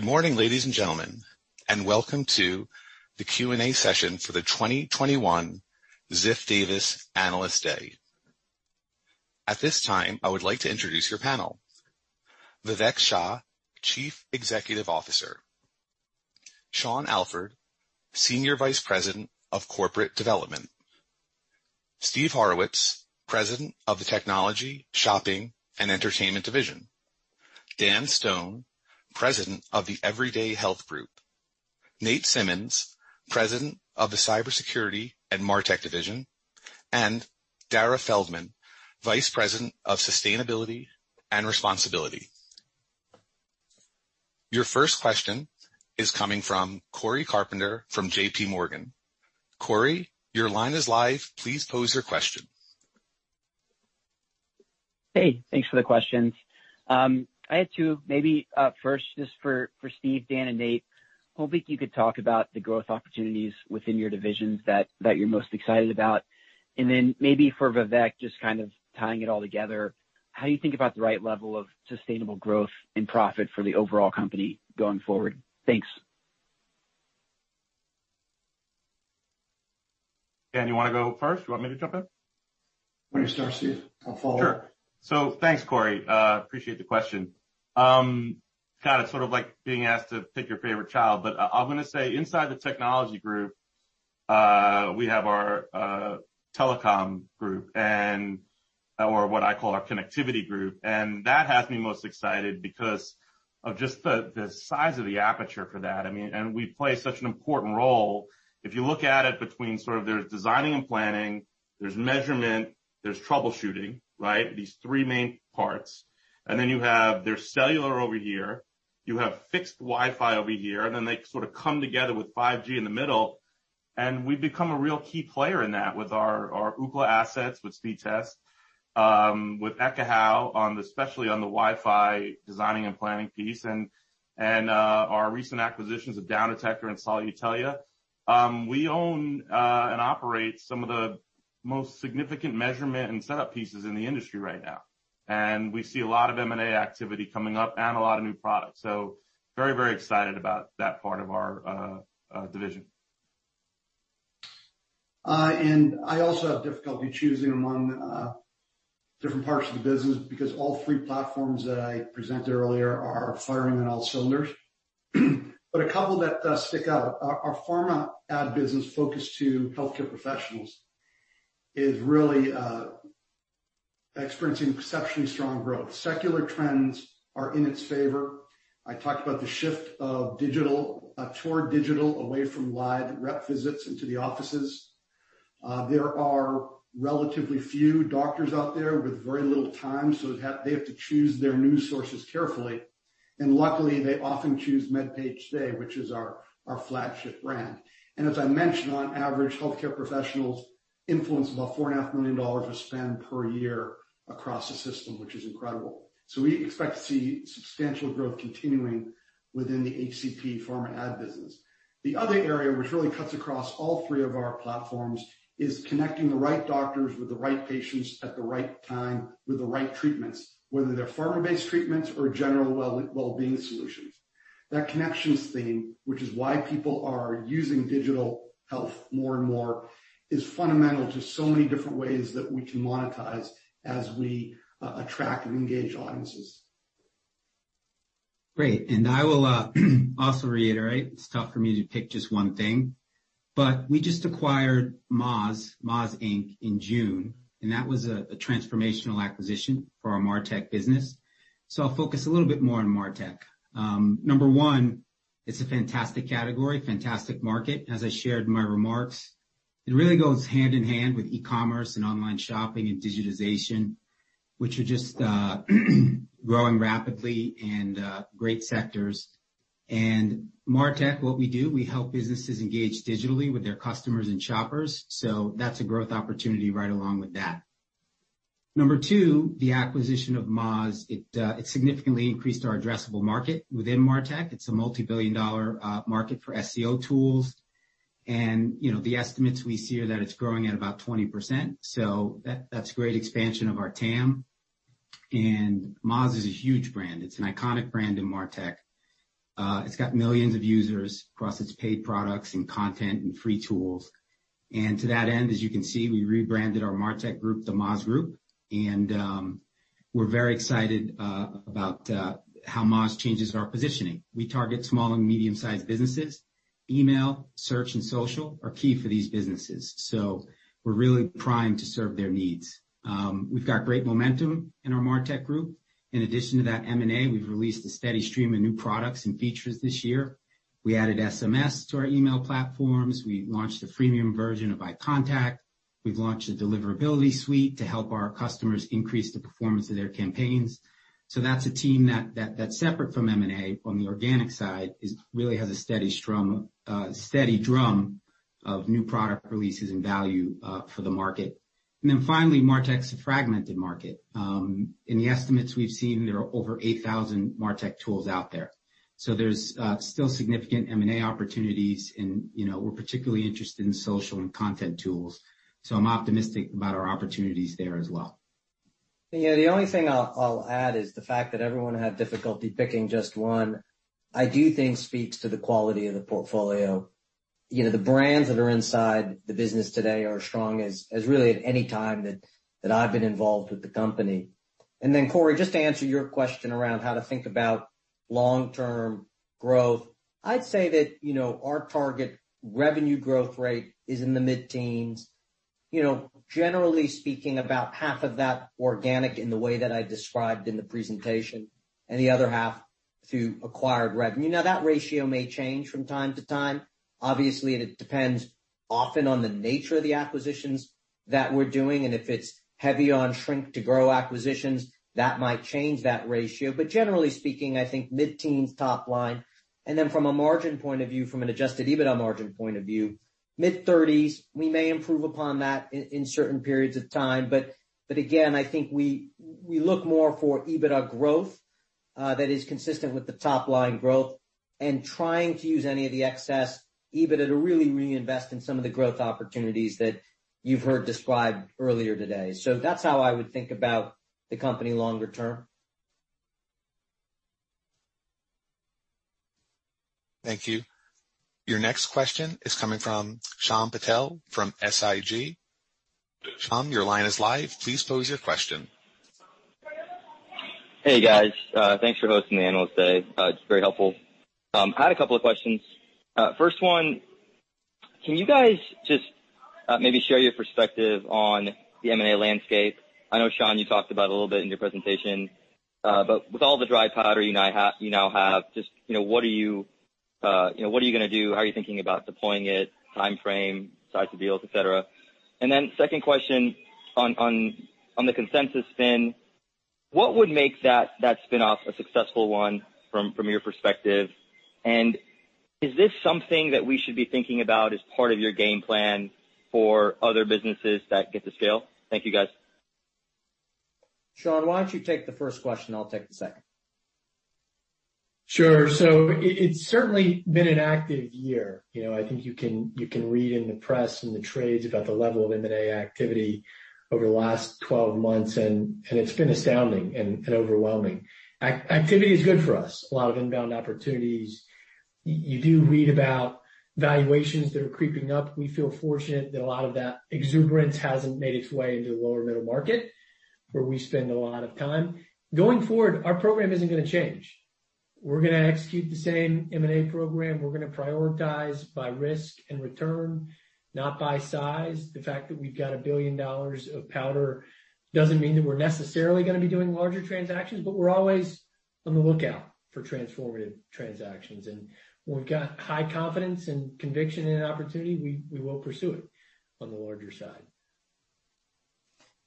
[SPEAKER 1] morning, ladies and gentlemen, welcome to the Q&A session for the 2021 Ziff Davis Analyst Day. At this time, I would like to introduce your panel. Vivek Shah, Chief Executive Officer. Sean Alford, Senior Vice President of Corporate Development. Steve Horowitz, President of the Technology, Shopping, and Entertainment Division. Dan Stone, President of the Everyday Health Group, Nate Simmons, President of the Cybersecurity and Martech Division, and Darrah Feldman, Vice President of Sustainability and Responsibility. Your first question is coming from Cory Carpenter from JPMorgan. Cory, your line is live. Please pose your question.
[SPEAKER 8] Hey, thanks for the questions. I had two. Maybe first, just for Steve, Dan, and Nate, hoping you could talk about the growth opportunities within your divisions that you're most excited about. Then maybe for Vivek, just kind of tying it all together, how you think about the right level of sustainable growth and profit for the overall company going forward. Thanks.
[SPEAKER 4] Dan, you want to go first? You want me to jump in?
[SPEAKER 5] Why don't you start, Steve? I'll follow.
[SPEAKER 4] Sure. Thanks, Cory. Appreciate the question. God, it's sort of like being asked to pick your favorite child, but I'm going to say inside the technology group, we have our telecom group or what I call our connectivity group, and that has me most excited because of just the size of the aperture for that. We play such an important role. If you look at it between sort of there's designing and planning, there's measurement, there's troubleshooting, right. These three main parts. Then you have there's cellular over here, you have fixed Wi-Fi over here, and then they sort of come together with 5G in the middle, and we've become a real key player in that with our Ookla assets with Speedtest, with Ekahau on especially on the Wi-Fi designing and planning piece, and our recent acquisitions of Downdetector and Solutelia. We own and operate some of the most significant measurement and setup pieces in the industry right now, and we see a lot of M&A activity coming up and a lot of new products. Very excited about that part of our division.
[SPEAKER 5] I also have difficulty choosing among different parts of the business because all three platforms that I presented earlier are firing on all cylinders. A couple that stick out, our pharma ad business focused to healthcare professionals is really experiencing exceptionally strong growth. Secular trends are in its favor. I talked about the shift toward digital away from live rep visits into the offices. There are relatively few doctors out there with very little time, so they have to choose their news sources carefully. Luckily, they often choose MedPage Today, which is our flagship brand. As I mentioned, on average, healthcare professionals influence about $4.5 million of spend per year across the system, which is incredible. We expect to see substantial growth continuing within the HCP pharma ad business. The other area, which really cuts across all three of our platforms, is connecting the right doctors with the right patients at the right time with the right treatments, whether they are pharma-based treatments or general wellbeing solutions. That connections theme, which is why people are using digital health more and more, is fundamental to so many different ways that we can monetize as we attract and engage audiences.
[SPEAKER 6] Great. I will also reiterate, it's tough for me to pick just one thing, but we just acquired Moz, Inc. in June, that was a transformational acquisition for our Martech business. I'll focus a little bit more on Martech. Number one, it's a fantastic category, fantastic market. As I shared in my remarks, it really goes hand in hand with e-commerce and online shopping and digitization, which are just growing rapidly and great sectors. Martech, what we do, we help businesses engage digitally with their customers and shoppers. That's a growth opportunity right along with that. Number two, the acquisition of Moz, it significantly increased our addressable market within Martech. It's a multi-billion dollar market for SEO tools. The estimates we see are that it's growing at about 20%. That's great expansion of our TAM. Moz is a huge brand. It's an iconic brand in Martech. It's got millions of users across its paid products and content and free tools. To that end, as you can see, we rebranded our Martech group, the Moz Group, and we're very excited about how Moz changes our positioning. We target small and medium-sized businesses. Email, search, and social are key for these businesses. We're really primed to serve their needs. We've got great momentum in our Martech group. In addition to that M&A, we've released a steady stream of new products and features this year. We added SMS to our email platforms. We launched a freemium version of iContact. We've launched a deliverability suite to help our customers increase the performance of their campaigns. That's a team that's separate from M&A on the organic side, really has a steady drum of new product releases and value for the market. Finally, Martech's a fragmented market. In the estimates we've seen, there are over 8,000 Martech tools out there. There's still significant M&A opportunities and we're particularly interested in social and content tools. I'm optimistic about our opportunities there as well.
[SPEAKER 2] Yeah, the only thing I'll add is the fact that everyone had difficulty picking just one, I do think speaks to the quality of the portfolio. The brands that are inside the business today are as strong as really at any time that I've been involved with the company. Then Cory, just to answer your question around how to think about long-term growth, I'd say that our target revenue growth rate is in the mid-teens. Generally speaking, about half of that organic in the way that I described in the presentation, and the other half through acquired revenue. That ratio may change from time to time. Obviously, it depends often on the nature of the acquisitions that we're doing, and if it's heavy on shrink-to-grow acquisitions, that might change that ratio. Generally speaking, I think mid-teens top line. From a margin point of view, from an adjusted EBITDA margin point of view, mid-30s. We may improve upon that in certain periods of time. I think we look more for EBITDA growth that is consistent with the top-line growth and trying to use any of the excess EBITDA to really reinvest in some of the growth opportunities that you've heard described earlier today. That's how I would think about the company longer term.
[SPEAKER 1] Thank you. Your next question is coming from Shyam Patil from SIG. Shyam, your line is live. Please pose your question.
[SPEAKER 9] Hey, guys. Thanks for hosting the Analyst Day. It's very helpful. I had a couple of questions. First one, can you guys just maybe share your perspective on the M&A landscape? I know, Sean, you talked about it a little bit in your presentation. With all the dry powder you now have, just what are you going to do? How are you thinking about deploying it, time frame, size of deals, et cetera? Then second question on the Consensus spin, what would make that spin-off a successful one from your perspective? Is this something that we should be thinking about as part of your game plan for other businesses that get to scale? Thank you, guys.
[SPEAKER 2] Sean, why don't you take the first question? I'll take the second.
[SPEAKER 3] Sure. It's certainly been an active year. I think you can read in the press and the trades about the level of M&A activity over the last 12 months, and it's been astounding and overwhelming. Activity is good for us. A lot of inbound opportunities. You do read about valuations that are creeping up. We feel fortunate that a lot of that exuberance hasn't made its way into the lower middle market, where we spend a lot of time. Going forward, our program isn't going to change. We're going to execute the same M&A program. We're going to prioritize by risk and return, not by size. The fact that we've got $1 billion of powder doesn't mean that we're necessarily going to be doing larger transactions, but we're always on the lookout for transformative transactions. When we've got high confidence and conviction in an opportunity, we will pursue it on the larger side.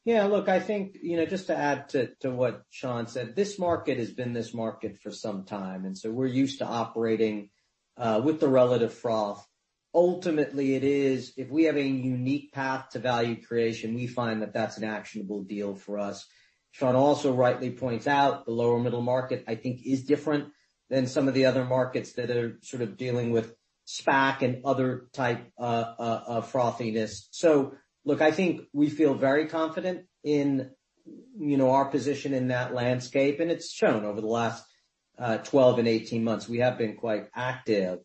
[SPEAKER 2] Yeah, look, I think just to add to what Sean said, this market has been this market for some time, we're used to operating with the relative froth. Ultimately, it is if we have a unique path to value creation, we find that that's an actionable deal for us. Sean also rightly points out the lower middle market, I think, is different than some of the other markets that are sort of dealing with SPAC and other type of frothiness. Look, I think we feel very confident in our position in that landscape, and it's shown over the last 12 and 18 months. We have been quite active.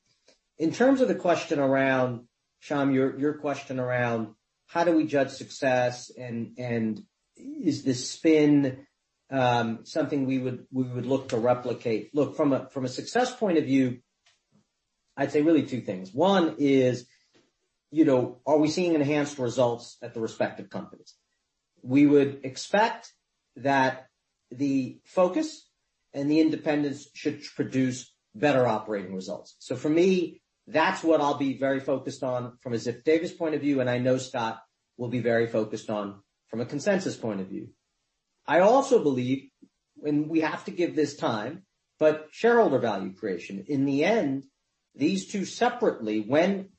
[SPEAKER 2] In terms of Shyam, your question around how do we judge success and is this spin something we would look to replicate? Look, from a success point of view, I'd say really two things. One is, are we seeing enhanced results at the respective companies? We would expect that the focus and the independence should produce better operating results. For me, that's what I'll be very focused on from a Ziff Davis point of view, and I know Scott will be very focused on from a Consensus point of view. I also believe, and we have to give this time, but shareholder value creation. In the end, these two separately, when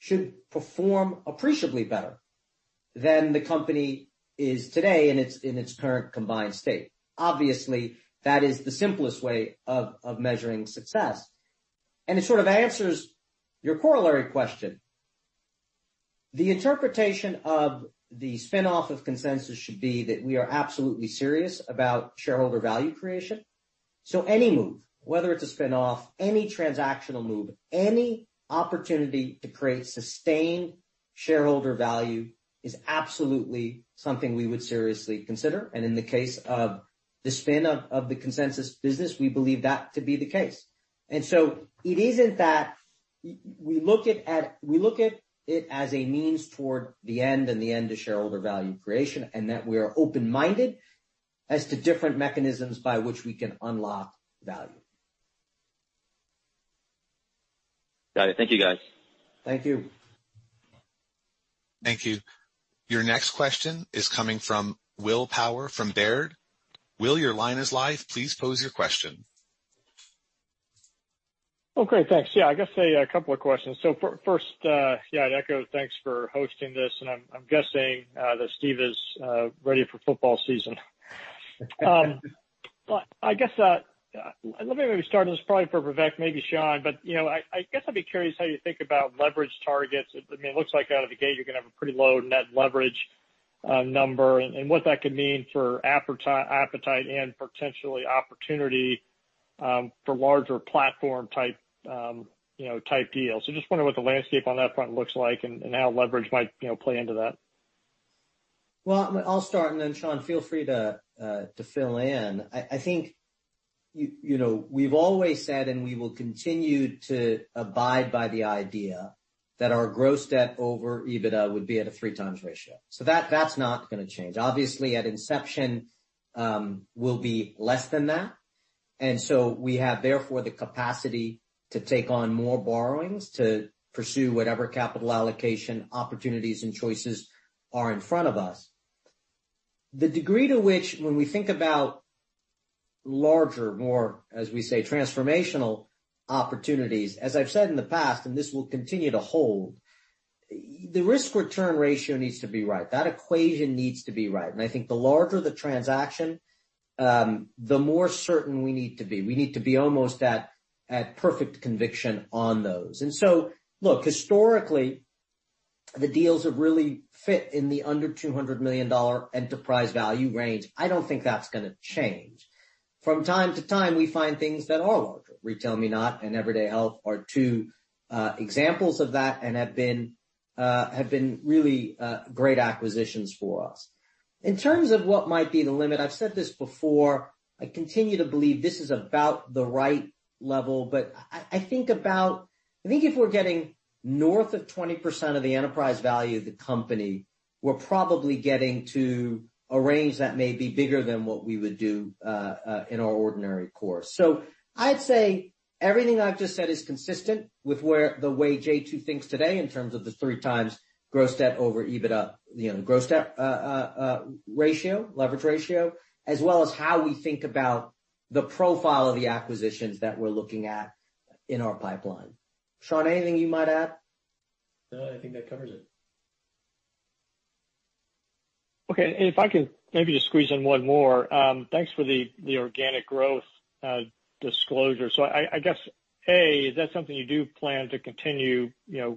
[SPEAKER 2] combined, should perform appreciably better than the company is today in its current combined state. Obviously, that is the simplest way of measuring success, and it sort of answers your corollary question. The interpretation of the spin-off of Consensus should be that we are absolutely serious about shareholder value creation. Any move, whether it's a spin-off, any transactional move, any opportunity to create sustained shareholder value is absolutely something we would seriously consider. In the case of the spin of the Consensus business, we believe that to be the case. It isn't that we look at it as a means toward the end, and the end is shareholder value creation, and that we are open-minded as to different mechanisms by which we can unlock value.
[SPEAKER 9] Got it. Thank you, guys.
[SPEAKER 2] Thank you.
[SPEAKER 1] Thank you. Your next question is coming from Will Power from Baird. Will, your line is live. Please pose your question.
[SPEAKER 10] Oh, great. Thanks. I guess two questions. First, I'd echo thanks for hosting this, and I'm guessing that Steve is ready for football season. I guess let me maybe start this probably for Vivek, maybe Sean. I guess I'd be curious how you think about leverage targets. I mean, it looks like out of the gate, you're going to have a pretty low net leverage number and what that could mean for appetite and potentially opportunity for larger platform type deals. Just wondering what the landscape on that front looks like and how leverage might play into that.
[SPEAKER 2] Well, I'll start, and then Sean, feel free to fill in. I think we've always said, and we will continue to abide by the idea that our gross debt over EBITDA would be at a 3x ratio. That's not going to change. Obviously, at inception, will be less than that. We have, therefore, the capacity to take on more borrowings to pursue whatever capital allocation opportunities and choices are in front of us. The degree to which when we think about larger, more, as we say, transformational opportunities, as I've said in the past, and this will continue to hold, the risk return ratio needs to be right. That equation needs to be right. I think the larger the transaction, the more certain we need to be. We need to be almost at perfect conviction on those. Look, historically, the deals have really fit in the under $200 million enterprise value range. I don't think that's going to change. From time to time, we find things that are larger. RetailMeNot and Everyday Health are two examples of that and have been really great acquisitions for us. In terms of what might be the limit, I've said this before, I continue to believe this is about the right level, but I think if we're getting north of 20% of the enterprise value of the company, we're probably getting to a range that may be bigger than what we would do in our ordinary course. I'd say everything I've just said is consistent with the way j2 thinks today in terms of the 3x gross debt over EBITDA, gross debt ratio, leverage ratio, as well as how we think about the profile of the acquisitions that we're looking at in our pipeline. Sean, anything you might add?
[SPEAKER 3] No, I think that covers it.
[SPEAKER 10] Okay. If I can maybe just squeeze in one more. Thanks for the organic growth disclosure. I guess, A, is that something you do plan to continue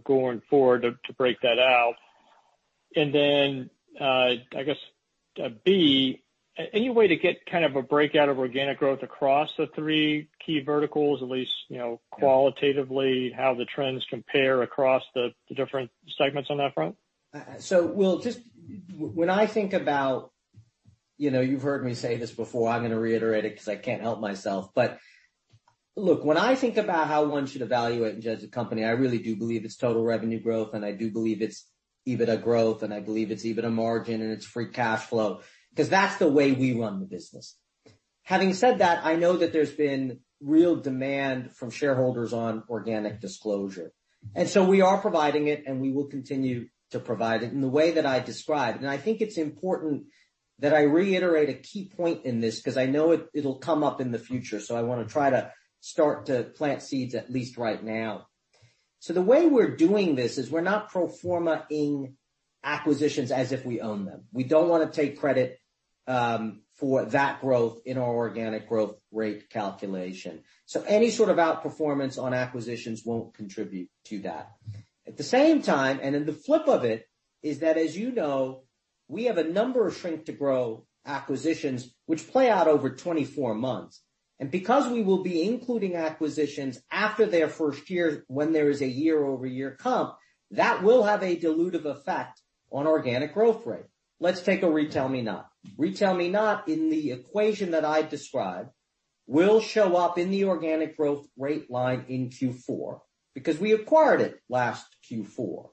[SPEAKER 10] going forward to break that out? I guess, B, any way to get kind of a breakout of organic growth across the three key verticals, at least qualitatively, how the trends compare across the different segments on that front?
[SPEAKER 2] When I think about, you've heard me say this before, I'm going to reiterate it because I can't help myself, but look, when I think about how one should evaluate in terms of company, I really do believe it's total revenue growth, and I do believe it's EBITDA growth, and I believe it's EBITDA margin, and it's free cash flow, because that's the way we run the business. Having said that, I know that there's been real demand from shareholders on organic disclosure. We are providing it, and we will continue to provide it in the way that I described. I think it's important that I reiterate a key point in this because I know it'll come up in the future. I want to try to start to plant seeds at least right now. The way we're doing this is we're not pro forma-ing acquisitions as if we own them. We don't want to take credit for that growth in our organic growth rate calculation. Any sort of outperformance on acquisitions won't contribute to that. At the same time, the flip of it, is that as you know, we have a number of shrink to grow acquisitions which play out over 24 months. Because we will be including acquisitions after their first year when there is a year-over-year comp, that will have a dilutive effect on organic growth rate. Let's take a RetailMeNot. RetailMeNot, in the equation that I described, will show up in the organic growth rate line in Q4 because we acquired it last Q4.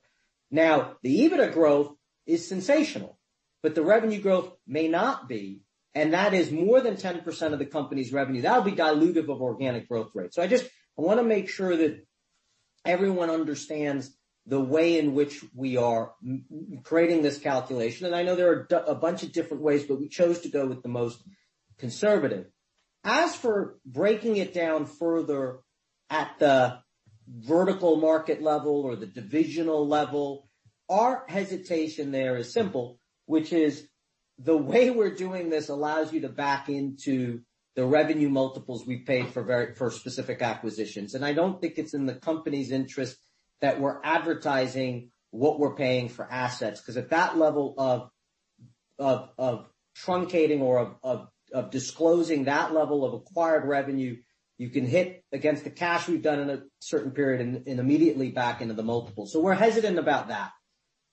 [SPEAKER 2] The EBITDA growth is sensational, but the revenue growth may not be, and that is more than 10% of the company's revenue. That'll be dilutive of organic growth rate. I just want to make sure that everyone understands the way in which we are creating this calculation. I know there are a bunch of different ways, but we chose to go with the most conservative. As for breaking it down further at the vertical market level or the divisional level, our hesitation there is simple, which is the way we're doing this allows you to back into the revenue multiples we paid for specific acquisitions. I don't think it's in the company's interest that we're advertising what we're paying for assets, because at that level of truncating or of disclosing that level of acquired revenue, you can hit against the cash we've done in a certain period and immediately back into the multiple. We're hesitant about that.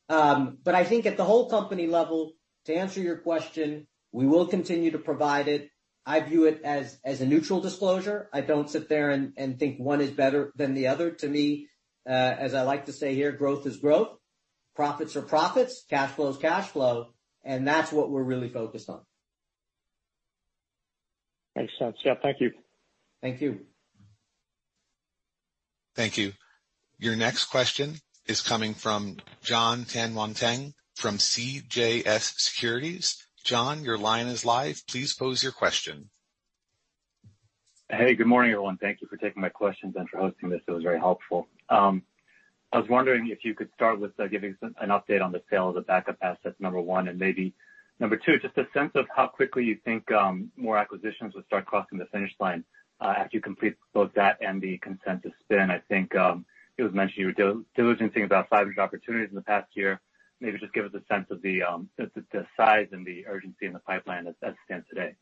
[SPEAKER 2] I think at the whole company level, to answer your question, we will continue to provide it. I view it as a neutral disclosure. I don't sit there and think one is better than the other. To me, as I like to say here, growth is growth. Profits are profits. Cash flow is cash flow. That's what we're really focused on.
[SPEAKER 10] Makes sense. Yeah. Thank you.
[SPEAKER 2] Thank you.
[SPEAKER 1] Thank you. Your next question is coming from Jon Tanwanteng from CJS Securities. Jon, your line is live. Please pose your question.
[SPEAKER 11] Hey, good morning, everyone. Thank you for taking my questions and for hosting this. It was very helpful. I was wondering if you could start with giving an update on the sale of the backup assets, number one, and maybe number two, just a sense of how quickly you think more acquisitions would start crossing the finish line after you complete both that and the Consensus spin. I think it was mentioned you were diluting things about five-ish opportunities in the past year. Maybe just give us a sense of the size and the urgency in the pipeline as it stands today.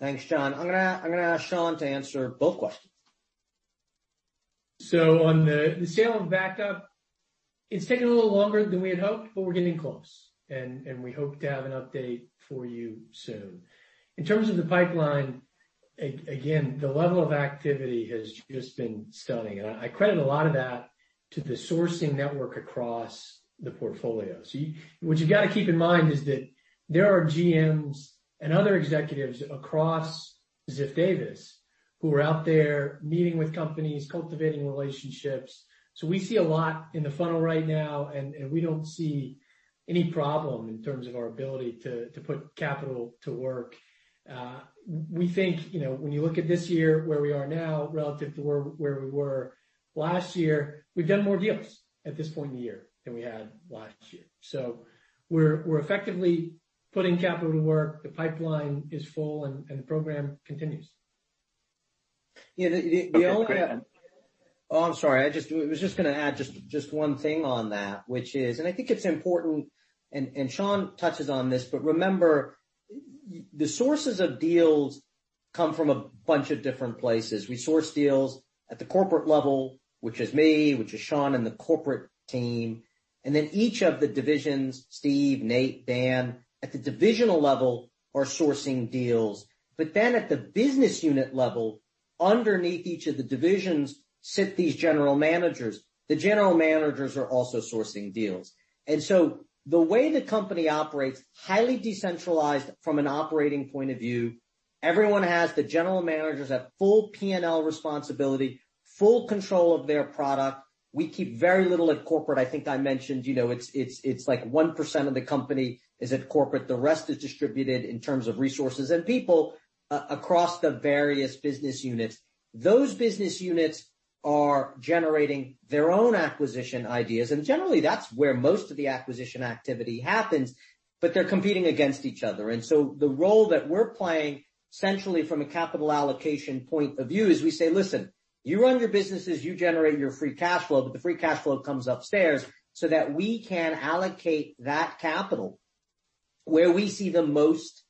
[SPEAKER 2] Thanks, Jon. I'm gonna ask Sean to answer both questions.
[SPEAKER 3] On the sale of Backup, it's taken a little longer than we had hoped, but we're getting close, and we hope to have an update for you soon. In terms of the pipeline, again, the level of activity has just been stunning. I credit a lot of that to the sourcing network across the portfolio. What you got to keep in mind is that there are GMs and other executives across Ziff Davis who are out there meeting with companies, cultivating relationships. We see a lot in the funnel right now, and we don't see any problem in terms of our ability to put capital to work. We think, when you look at this year, where we are now relative to where we were last year, we've done more deals at this point in the year than we had last year. We're effectively putting capital to work. The pipeline is full, and the program continues.
[SPEAKER 2] Yeah. Okay, go ahead. Oh, I'm sorry. I was just going to add just one thing on that, which is, and I think it's important, and Sean touches on this. Remember, the sources of deals come from a bunch of different places. We source deals at the corporate level, which is me, which is Sean and the corporate team, and then each of the divisions, Steve, Nate, Dan, at the divisional level, are sourcing deals. Then at the business unit level, underneath each of the divisions, sit these general managers. The general managers are also sourcing deals. The way the company operates, highly decentralized from an operating point of view. The general managers have full P&L responsibility, full control of their product. We keep very little at corporate. I think I mentioned, it's like 1% of the company is at corporate. The rest is distributed in terms of resources and people across the various business units. Those business units are generating their own acquisition ideas, and generally, that's where most of the acquisition activity happens, but they're competing against each other. The role that we're playing centrally from a capital allocation point of view is we say, "Listen, you run your businesses, you generate your free cash flow, but the free cash flow comes upstairs so that we can allocate that capital where we see the most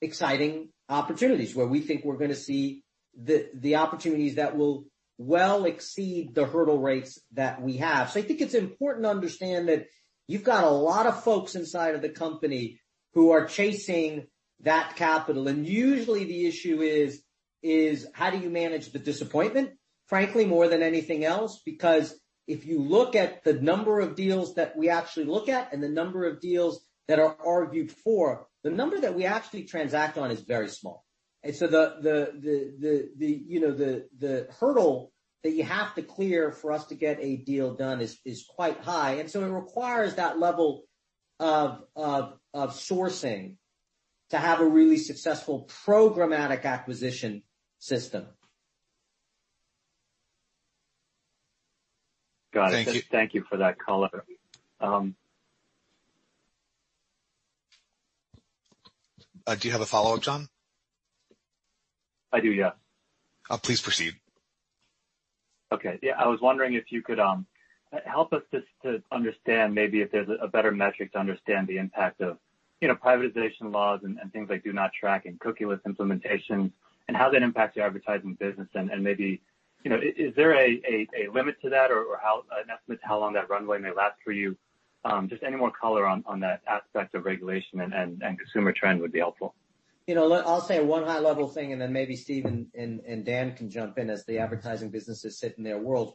[SPEAKER 2] exciting opportunities, where we think we're going to see the opportunities that will well exceed the hurdle rates that we have." I think it's important to understand that you've got a lot of folks inside of the company who are chasing that capital. Usually the issue is, how do you manage the disappointment, frankly, more than anything else? If you look at the number of deals that we actually look at and the number of deals that are argued for, the number that we actually transact on is very small. The hurdle that you have to clear for us to get a deal done is quite high, and so it requires that level of sourcing to have a really successful programmatic acquisition system.
[SPEAKER 11] Got it. Thank you. Thank you for that color.
[SPEAKER 1] Do you have a follow-up, Jon?
[SPEAKER 11] I do, yeah.
[SPEAKER 1] Please proceed.
[SPEAKER 11] Okay, yeah, I was wondering if you could help us just to understand maybe if there's a better metric to understand the impact of privatization laws and things like do not track and cookieless implementation and how that impacts your advertising business. Maybe, is there a limit to that or an estimate to how long that runway may last for you? Just any more color on that aspect of regulation and consumer trend would be helpful.
[SPEAKER 2] I'll say one high-level thing, and then maybe Steve and Dan can jump in as the advertising businesses sit in their worlds.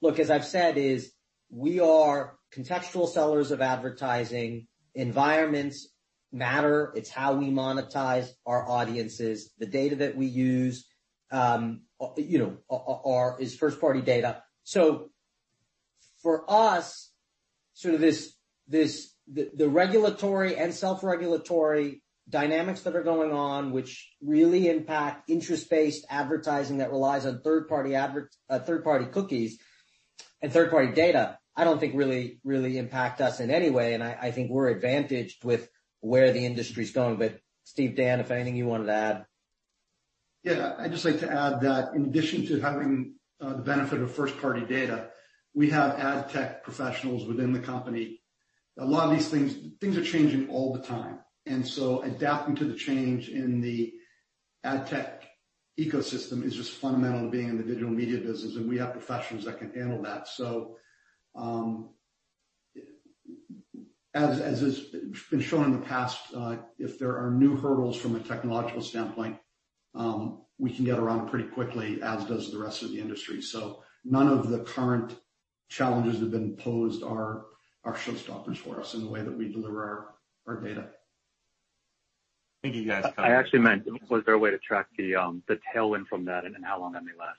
[SPEAKER 2] Look, as I've said is we are contextual sellers of advertising. Environments matter. It's how we monetize our audiences. The data that we use is first-party data. For us, sort of the regulatory and self-regulatory dynamics that are going on, which really impact interest-based advertising that relies on third-party cookies and third-party data, I don't think really impact us in any way, and I think we're advantaged with where the industry's going. Steve, Dan, if anything you wanted to add.
[SPEAKER 5] Yeah. I'd just like to add that in addition to having the benefit of first-party data, we have ad tech professionals within the company. A lot of these things are changing all the time, adapting to the change in the ad tech ecosystem is just fundamental to being in the digital media business, and we have professionals that can handle that. As has been shown in the past, if there are new hurdles from a technological standpoint, we can get around pretty quickly, as does the rest of the industry. None of the current challenges that have been posed are showstoppers for us in the way that we deliver our data.
[SPEAKER 11] Thank you, guys. I actually meant, was there a way to track the tailwind from that and how long that may last?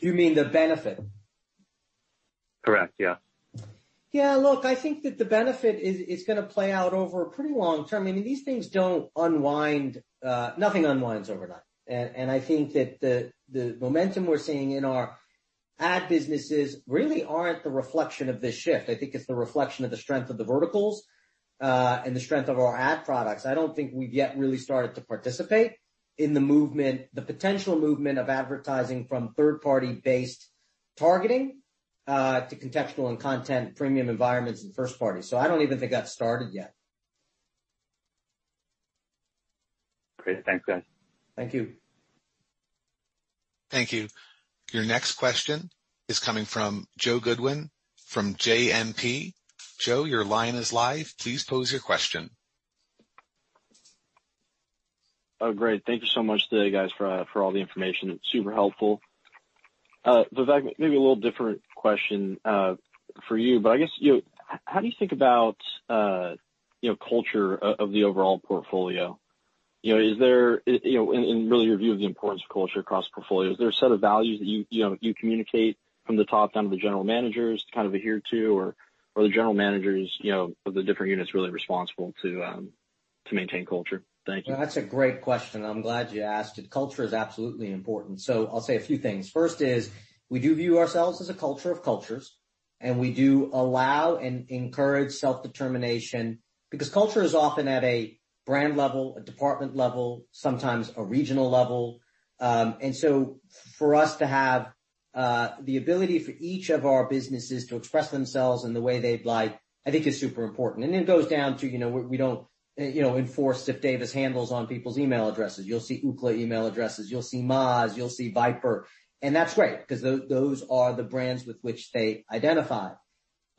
[SPEAKER 2] You mean the benefit?
[SPEAKER 11] Correct. Yeah.
[SPEAKER 2] Yeah. Look, I think that the benefit is going to play out over a pretty long term. I mean, these things don't unwind. Nothing unwinds overnight. I think that the momentum we're seeing in our ad businesses really aren't the reflection of this shift. I think it's the reflection of the strength of the verticals, and the strength of our ad products. I don't think we've yet really started to participate in the movement, the potential movement of advertising from third-party based targeting, to contextual and content premium environments and first party. I don't even think that started yet.
[SPEAKER 11] Great. Thanks, guys.
[SPEAKER 2] Thank you.
[SPEAKER 1] Thank you. Your next question is coming from Joe Goodwin from JMP. Joe, your line is live. Please pose your question.
[SPEAKER 12] Oh, great. Thank you so much today, guys, for all the information. It's super helpful. Vivek, maybe a little different question for you, but I guess, how do you think about culture of the overall portfolio? Really your view of the importance of culture across the portfolio. Is there a set of values that you communicate from the top down to the general managers to kind of adhere to, or are the general managers of the different units really responsible to maintain culture? Thank you.
[SPEAKER 2] That's a great question, and I'm glad you asked it. Culture is absolutely important. I'll say a few things. First is, we do view ourselves as a culture of cultures, and we do allow and encourage self-determination, because culture is often at a brand level, a department level, sometimes a regional level. For us to have the ability for each of our businesses to express themselves in the way they'd like, I think is super important. It goes down to, we don't enforce Ziff Davis handles on people's email addresses. You'll see Ookla email addresses, you'll see Moz, you'll see VIPRE. That's great, because those are the brands with which they identify.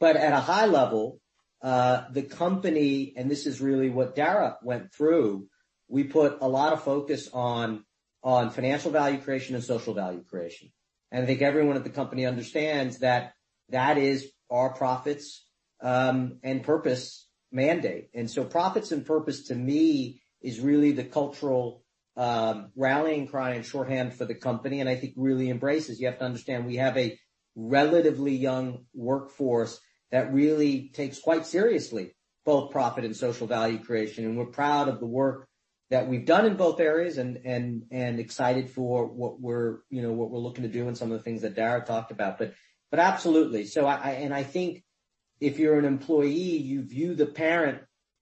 [SPEAKER 2] At a high level, the company, and this is really what Darrah went through, we put a lot of focus on financial value creation and social value creation. I think everyone at the company understands that that is our profits and purpose mandate. Profits and purpose to me is really the cultural rallying cry and shorthand for the company, and I think really embraces. You have to understand, we have a relatively young workforce that really takes quite seriously both profit and social value creation. We're proud of the work that we've done in both areas, and excited for what we're looking to do and some of the things that Darrah Feldman talked about. Absolutely. I think if you're an employee, you view the parent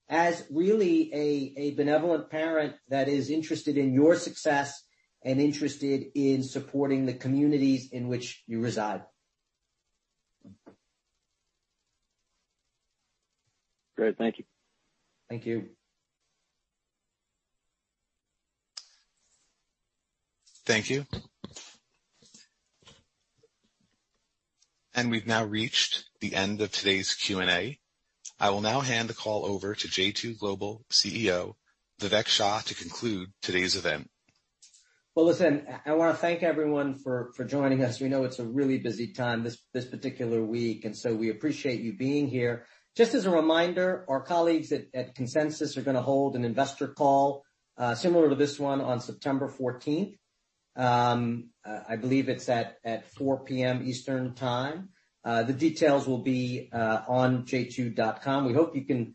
[SPEAKER 2] as really a benevolent parent that is interested in your success and interested in supporting the communities in which you reside.
[SPEAKER 12] Great. Thank you.
[SPEAKER 2] Thank you.
[SPEAKER 1] Thank you. We've now reached the end of today's Q&A. I will now hand the call over to J2 Global CEO, Vivek Shah, to conclude today's event.
[SPEAKER 2] Well, listen, I want to thank everyone for joining us. We know it's a really busy time this particular week, we appreciate you being here. Just as a reminder, our colleagues at Consensus are going to hold an investor call similar to this one on September 14th. I believe it's at 4:00 P.M. Eastern time. The details will be on j2.com. We hope you can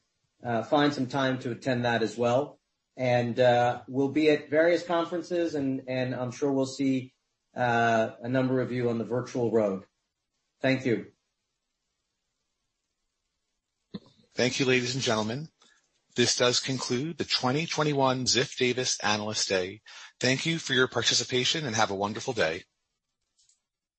[SPEAKER 2] find some time to attend that as well. We'll be at various conferences, and I'm sure we'll see a number of you on the virtual road. Thank you.
[SPEAKER 1] Thank you, ladies and gentlemen. This does conclude the 2021 Ziff Davis Analyst Day. Thank you for your participation. Have a wonderful day.